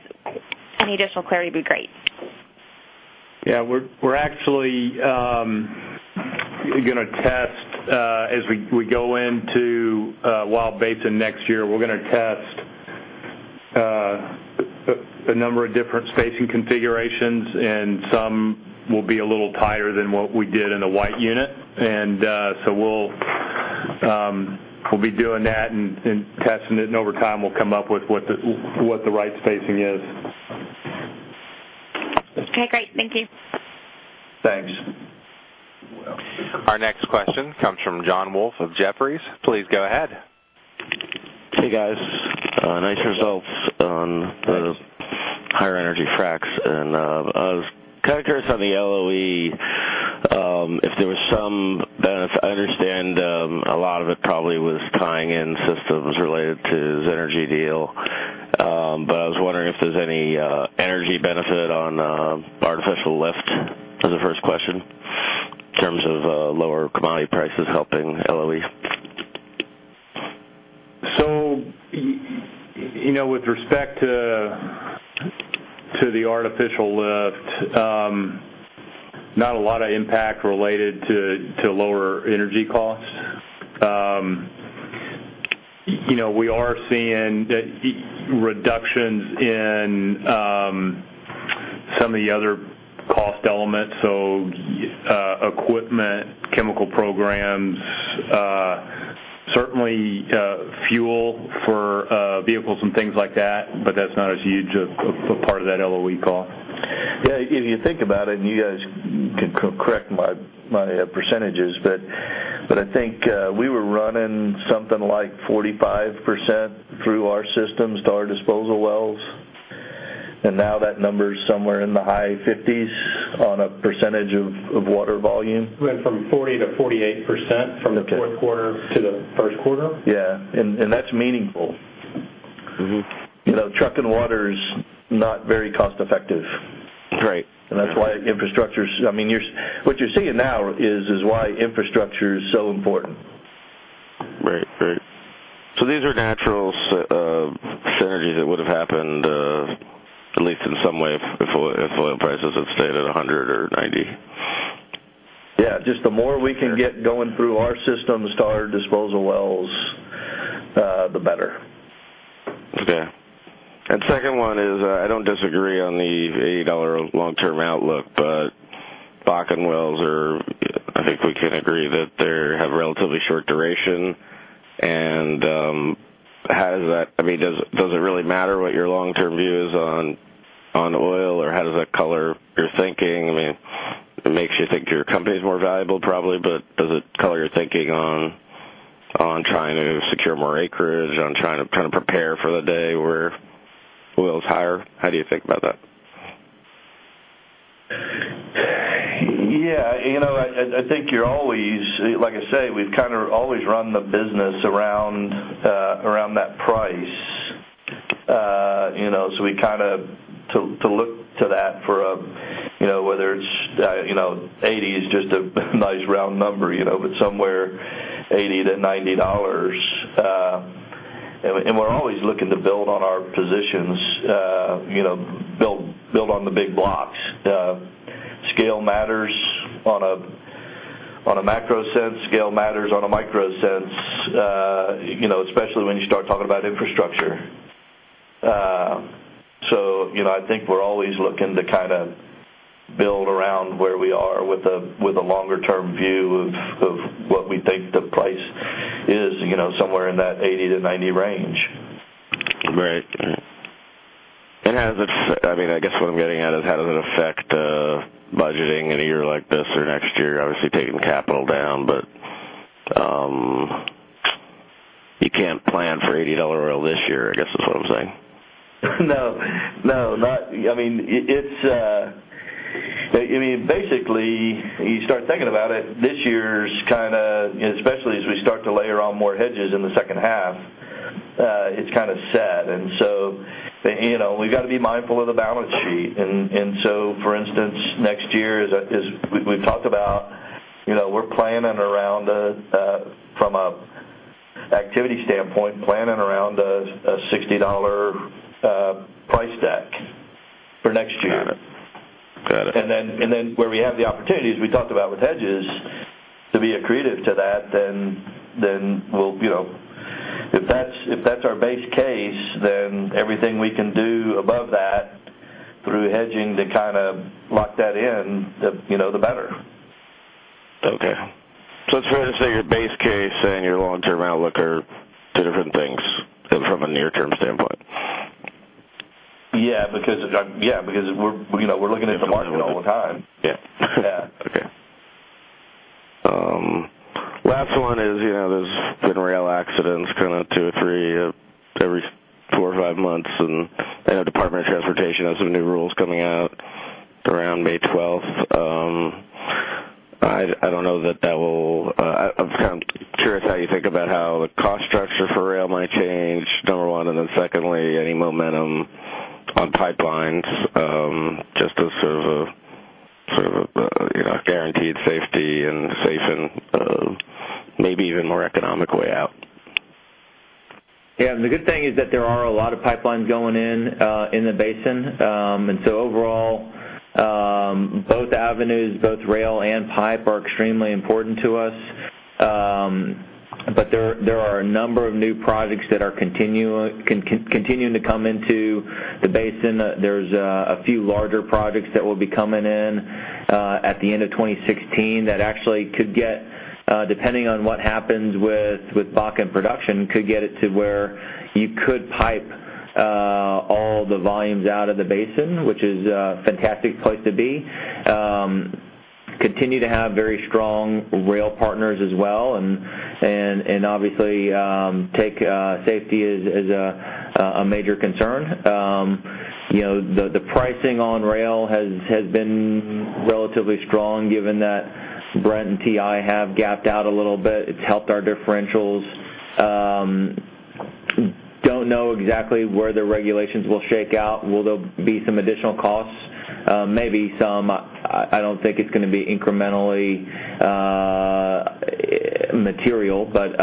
any additional clarity would be great. Yeah. We're actually going to test as we go into Wild Basin next year. We're going to test a number of different spacing configurations, and some will be a little tighter than what we did in the White Unit. We'll be doing that and testing it, and over time, we'll come up with what the right spacing is. Okay, great. Thank you. Thanks. Our next question comes from John Wolfe of Jefferies. Please go ahead. Hey, guys. Nice results on the higher energy fracs. I was kind of curious on the LOE. A lot of it probably was tying in systems related to the energy deal. I was wondering if there's any energy benefit on artificial lift, for the first question, in terms of lower commodity prices helping LOE. With respect to the artificial lift, not a lot of impact related to lower energy costs. We are seeing reductions in some of the other cost elements, so equipment, chemical programs. Certainly, fuel for vehicles and things like that, but that's not as huge a part of that LOE cost. Yeah, if you think about it, you guys can correct my percentages, but I think we were running something like 45% through our systems to our disposal wells. Now that number's somewhere in the high 50s on a percentage of water volume. Went from 40% to 48% from Okay the fourth quarter to the first quarter. Yeah. That's meaningful. Trucking water is not very cost effective. Right. What you're seeing now is why infrastructure is so important. Right. These are natural synergies that would've happened, at least in some way, if oil prices have stayed at 100 or 90. Yeah. Just the more we can get going through our systems to our disposal wells, the better. Okay. Second one is, I don't disagree on the $80 long-term outlook, but Bakken wells are I think we can agree that they have relatively short duration. Does it really matter what your long-term view is on oil, or how does that color your thinking? It makes you think your company's more valuable, probably, but does it color your thinking on trying to secure more acreage, on trying to prepare for the day where oil's higher? How do you think about that? Yeah. I think you're always Like I say, we've kind of always run the business around that price. We kind of, to look to that for, whether it's 80 is just a nice round number, but somewhere $80-$90. We're always looking to build on our positions, build on the big blocks. Scale matters on a macro sense. Scale matters on a micro sense, especially when you start talking about infrastructure. I think we're always looking to build around where we are with a longer-term view of what we think the price is, somewhere in that 80-90 range. Right. I guess what I'm getting at is how does it affect budgeting in a year like this or next year? Obviously taking capital down, but you can't plan for $80 oil this year, I guess is what I'm saying. No. Basically, you start thinking about it, this year's especially as we start to layer on more hedges in the second half, it's kind of set. We've got to be mindful of the balance sheet. For instance, next year is, we've talked about we're planning around, from an activity standpoint, a $60 price deck for next year. Got it. Where we have the opportunities, we talked about with hedges, to be accretive to that, if that's our base case, everything we can do above that through hedging to lock that in, the better. Okay. It's fair to say your base case and your long-term outlook are two different things from a near-term standpoint. Yeah, because we're looking at the market all the time. Yeah. Yeah. Okay. Last one is, there has been rail accidents, two or three every four or five months. I know Department of Transportation has some new rules coming out around May 12th. I'm curious how you think about how the cost structure for rail might change, number one, then secondly, any momentum on pipelines, just as sort of a guaranteed safety and safe and maybe even more economic way out. Yeah. The good thing is that there are a lot of pipelines going in in the basin. Overall, both avenues, both rail and pipe are extremely important to us. There are a number of new projects that are continuing to come into the basin. There's a few larger projects that will be coming in at the end of 2016, that actually could get, depending on what happens with Bakken production, could get it to where you could pipe all the volumes out of the basin, which is a fantastic place to be. Continue to have very strong rail partners as well, and obviously, take safety as a major concern. The pricing on rail has been relatively strong given that Brent and WTI have gapped out a little bit. It's helped our differentials, Don't know exactly where the regulations will shake out. Will there be some additional costs? Maybe some. I don't think it's going to be incrementally material, but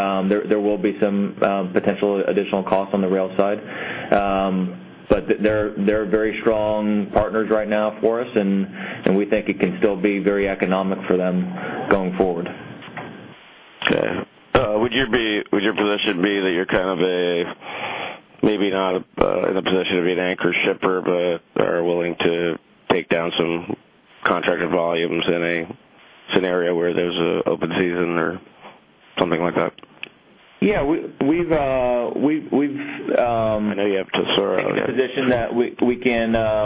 there will be some potential additional costs on the rail side. They're very strong partners right now for us, and we think it can still be very economic for them going forward. Okay. Would your position be that you're maybe not in a position to be an anchor shipper, but are willing to take down some contracted volumes in a scenario where there's an open season or something like that? Yeah. I know you have to, sir taken the position that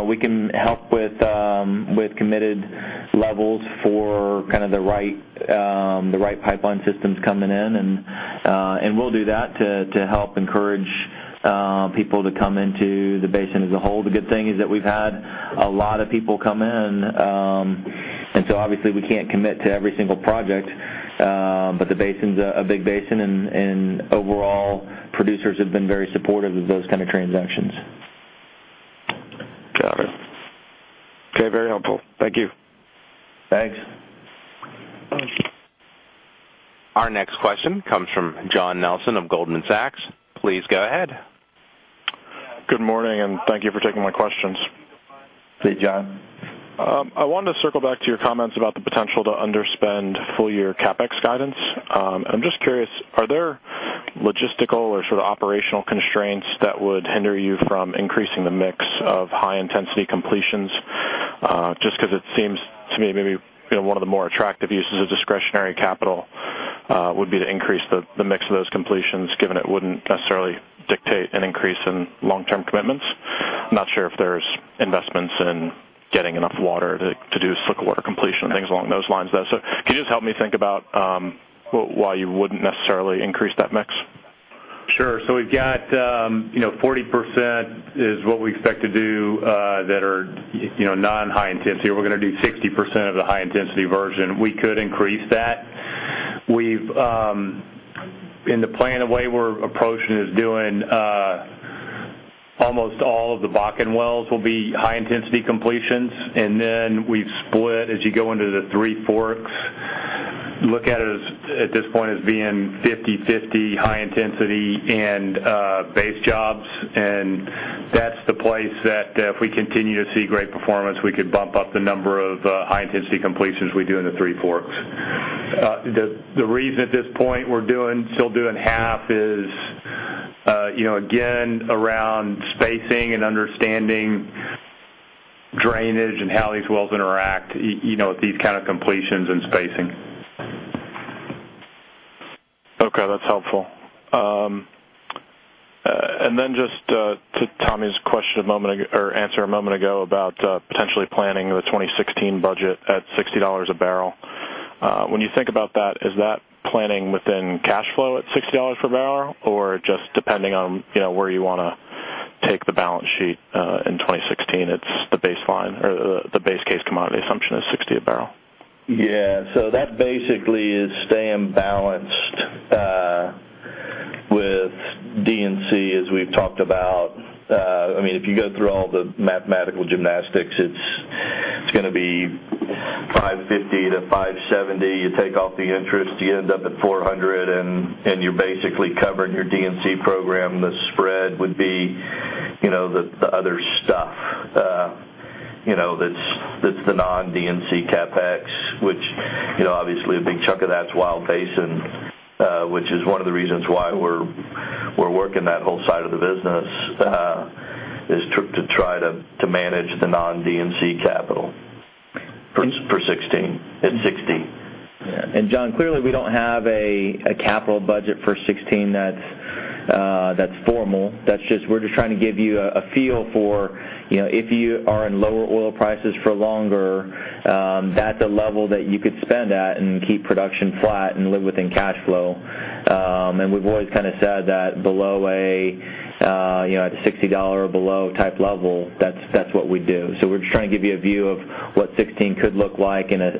we can help with committed levels for the right pipeline systems coming in. We'll do that to help encourage people to come into the basin as a whole. The good thing is that we've had a lot of people come in. Obviously we can't commit to every single project. The basin's a big basin, and overall, producers have been very supportive of those kind of transactions. Got it. Okay. Very helpful. Thank you. Thanks. Our next question comes from John Nelson of Goldman Sachs. Please go ahead. Good morning. Thank you for taking my questions. Hey, John. I wanted to circle back to your comments about the potential to underspend full-year CapEx guidance. I'm just curious, are there logistical or operational constraints that would hinder you from increasing the mix of high-intensity completions? Just because it seems to me maybe one of the more attractive uses of discretionary capital would be to increase the mix of those completions, given it wouldn't necessarily dictate an increase in long-term commitments. I'm not sure if there's investments in getting enough water to do slick water completion and things along those lines, though. Can you just help me think about why you wouldn't necessarily increase that mix? Sure. We've got 40% is what we expect to do that are non-high intensity, or we're going to do 60% of the high-intensity version. We could increase that. In the plan, the way we're approaching is doing almost all of the Bakken wells will be high-intensity completions, and then we split as you go into the Three Forks. Look at it at this point as being 50/50 high intensity and base jobs, and that's the place that if we continue to see great performance, we could bump up the number of high-intensity completions we do in the Three Forks. The reason at this point we're still doing half is again, around spacing and understanding drainage and how these wells interact with these kind of completions and spacing. Okay, that's helpful. Just to Tommy's answer a moment ago about potentially planning the 2016 budget at $60 a barrel. When you think about that, is that planning within cash flow at $60 per barrel or just depending on where you want to take the balance sheet in 2016, it's the baseline or the base case commodity assumption is $60 a barrel? Yeah. That basically is staying balanced with D&C as we've talked about. If you go through all the mathematical gymnastics, it's going to be $550-$570. You take off the interest, you end up at $400, you're basically covering your D&C program. The spread would be the other stuff that's the non-D&C CapEx, which obviously a big chunk of that's Williston Basin, which is one of the reasons why we're working that whole side of the business is to try to manage the non-D&C capital for 2016 at $60. John, clearly, we don't have a capital budget for 2016 that's formal. We're just trying to give you a feel for if you are in lower oil prices for longer, that's a level that you could spend at and keep production flat and live within cash flow. We've always said that at a $60 or below type level, that's what we'd do. We're just trying to give you a view of what 2016 could look like in a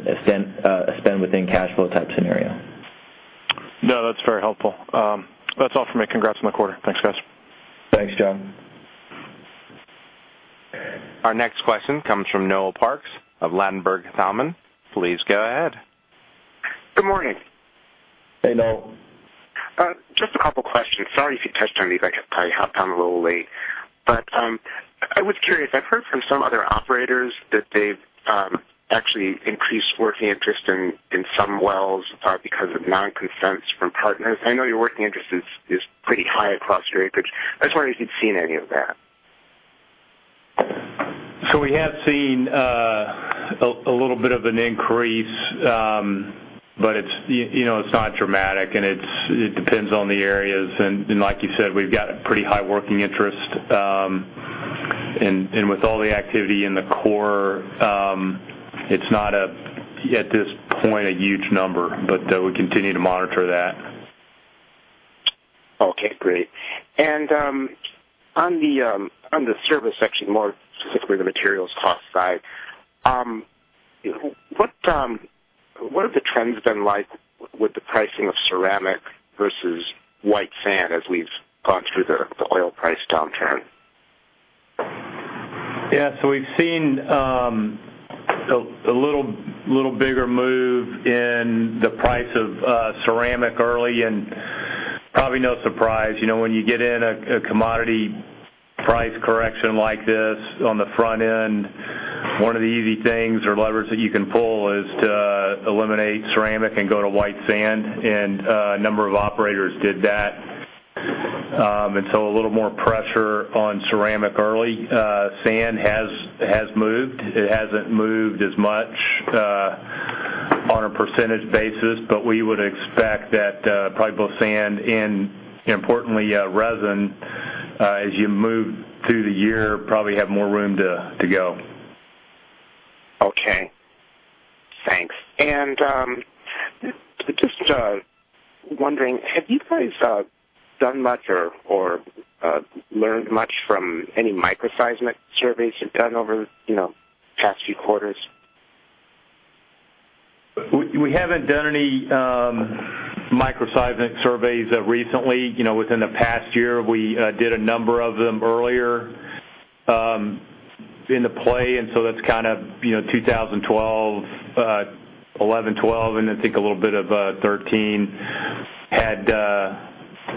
spend within cash flow type scenario. No, that's very helpful. That's all for me. Congrats on the quarter. Thanks, guys. Thanks, John. Our next question comes from Noel Parks of Ladenburg Thalmann. Please go ahead. Good morning. Hey, Noel. Just a couple questions. Sorry if you touched on these. I probably hopped on a little late. I was curious, I've heard from some other operators that they've actually increased working interest in some wells because of non-consents from partners. I know your working interest is pretty high across your acreage. I just wonder if you've seen any of that. We have seen a little bit of an increase, but it's not dramatic, and it depends on the areas. Like you said, we've got a pretty high working interest. With all the activity in the core, it's not at this point, a huge number, but we continue to monitor that. Okay, great. On the service section, more specifically the materials cost side. What have the trends been like with the pricing of ceramic versus white sand as we've gone through the oil price downturn? Yeah. We've seen a little bigger move in the price of ceramic early, and probably no surprise. When you get in a commodity price correction like this on the front end, one of the easy things or levers that you can pull is to eliminate ceramic and go to white sand. A number of operators did that. A little more pressure on ceramic early. Sand has moved. It hasn't moved as much on a percentage basis, but we would expect that probably both sand and importantly, resin, as you move through the year, probably have more room to go. Okay. Thanks. Just wondering, have you guys done much or learned much from any microseismic surveys you've done over the past few quarters? We haven't done any microseismic surveys recently. Within the past year, we did a number of them earlier in the play, that's 2012, 2011, 2012, and I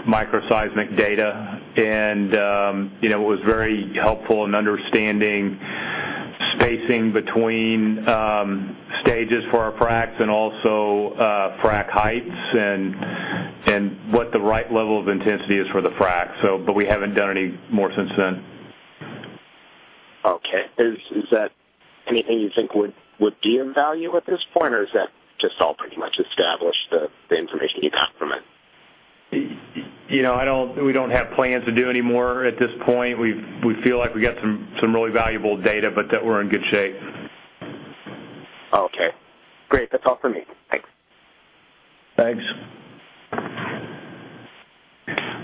think a little bit of 2013, had microseismic data. It was very helpful in understanding spacing between stages for our fracs and also frac heights and what the right level of intensity is for the frac. We haven't done any more since then. Okay. Is that anything you think would be of value at this point, or is that just all pretty much established, the information you got from it? We don't have plans to do any more at this point. We feel like we got some really valuable data, that we're in good shape. Okay, great. That's all for me. Thanks. Thanks.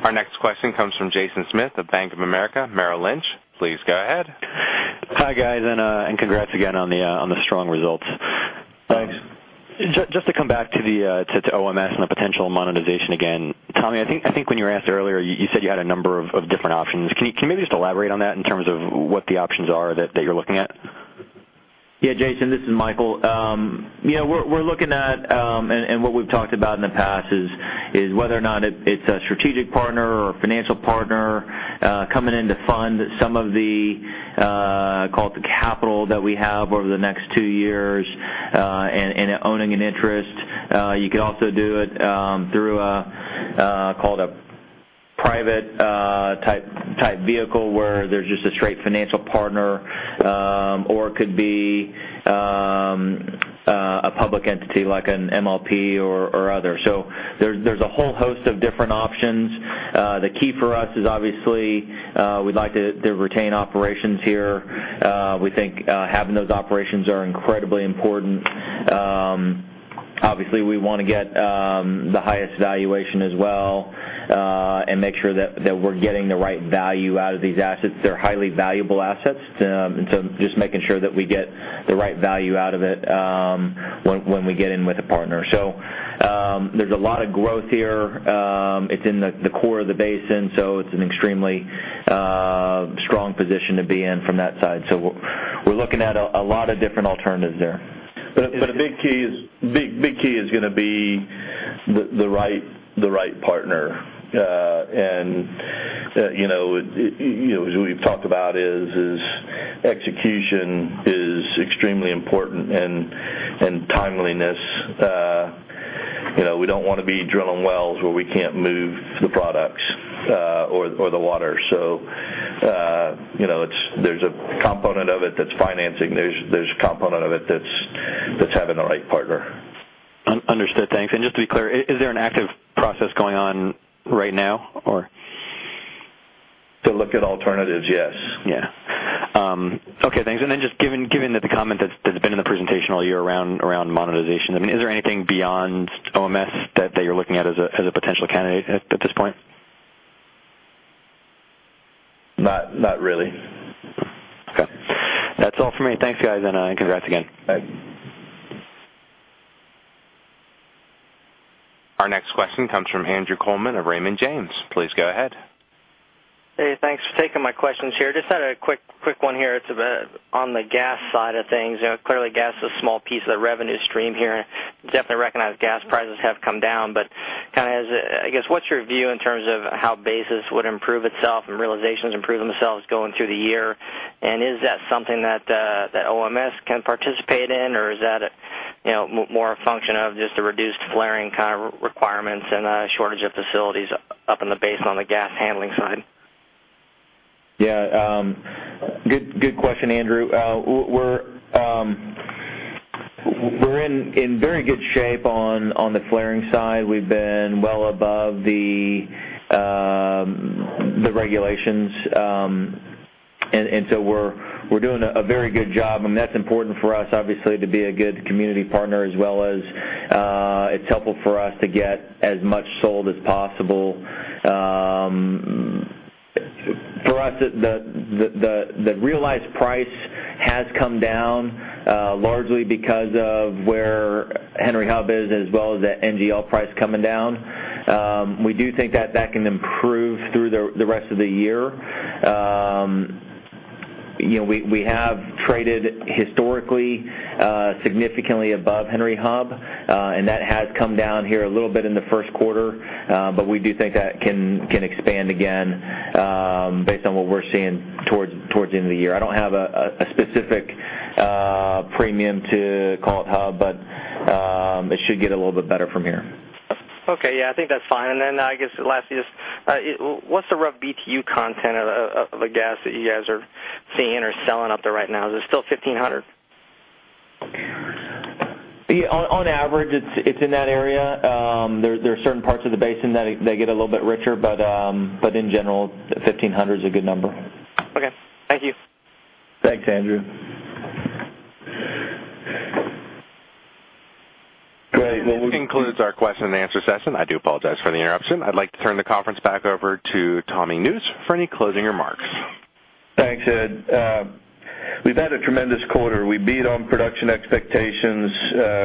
Our next question comes from Jason Smith of Bank of America Merrill Lynch. Please go ahead. Hi, guys, congrats again on the strong results. Thanks. Just to come back to the OMS and the potential monetization again. Tommy, I think when you were asked earlier, you said you had a number of different options. Can you maybe just elaborate on that in terms of what the options are that you're looking at? Yeah, Jason, this is Michael. We're looking at, and what we've talked about in the past is whether or not it's a strategic partner or a financial partner coming in to fund some of the, call it, the capital that we have over the next two years, and owning an interest. You can also do it through a, call it, a private type vehicle where there's just a straight financial partner, or it could be a public entity like an MLP or other. There's a whole host of different options. The key for us is obviously, we'd like to retain operations here. We think having those operations are incredibly important. Obviously, we want to get the highest valuation as well, and make sure that we're getting the right value out of these assets. They're highly valuable assets. Just making sure that we get the right value out of it when we get in with a partner. There's a lot of growth here. It's in the core of the basin, so it's an extremely strong position to be in from that side. We're looking at a lot of different alternatives there. The big key is going to be the right partner. As we've talked about is execution is extremely important and timeliness. We don't want to be drilling wells where we can't move the products or the water. There's a component of it that's financing. There's a component of it that's having the right partner. Understood. Thanks. Just to be clear, is there an active process going on right now, or? To look at alternatives? Yes. Yeah. Okay, thanks. Just given that the comment that's been in the presentation all year around monetization, is there anything beyond OMS that you're looking at as a potential candidate at this point? Not really. Okay. That's all for me. Thanks, guys, and congrats again. Bye. Our next question comes from Andrew Coleman of Raymond James. Please go ahead. Hey, thanks for taking my questions here. Just had a quick one here. It's on the gas side of things. Clearly, gas is a small piece of the revenue stream here, and definitely recognize gas prices have come down. I guess what's your view in terms of how basis would improve itself and realizations improve themselves going through the year, and is that something that OMS can participate in, or is that more a function of just a reduced flaring kind of requirements and a shortage of facilities up in the Basin on the gas handling side? Good question, Andrew. We're in very good shape on the flaring side. We've been well above the regulations. We're doing a very good job, and that's important for us, obviously, to be a good community partner, as well as it's helpful for us to get as much sold as possible. For us, the realized price has come down largely because of where Henry Hub is, as well as the NGL price coming down. We do think that that can improve through the rest of the year. We have traded historically, significantly above Henry Hub, and that has come down here a little bit in the first quarter, we do think that can expand again based on what we're seeing towards the end of the year. I don't have a specific premium to call it Hub, it should get a little bit better from here. I think that's fine. I guess lastly, just what's the rough BTU content of the gas that you guys are seeing or selling up there right now? Is it still 1,500? On average, it's in that area. There are certain parts of the basin that they get a little bit richer, in general, 1,500 is a good number. Thank you. Thanks, Andrew. This concludes our question and answer session. I do apologize for the interruption. I'd like to turn the conference back over to Thomas Nusz for any closing remarks. Thanks, Ed. We've had a tremendous quarter. We beat on production expectations,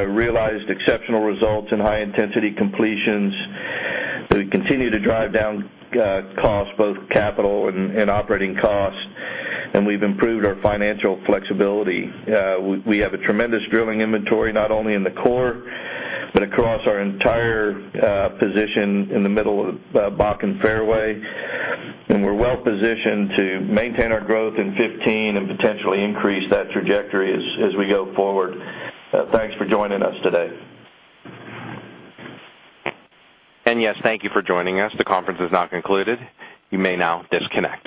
realized exceptional results in high-intensity completions. We continue to drive down costs, both capital and operating costs. We've improved our financial flexibility. We have a tremendous drilling inventory, not only in the core, but across our entire position in the Middle Bakken fairway, and we're well-positioned to maintain our growth in 2015 and potentially increase that trajectory as we go forward. Thanks for joining us today. Yes, thank you for joining us. The conference is now concluded. You may now disconnect.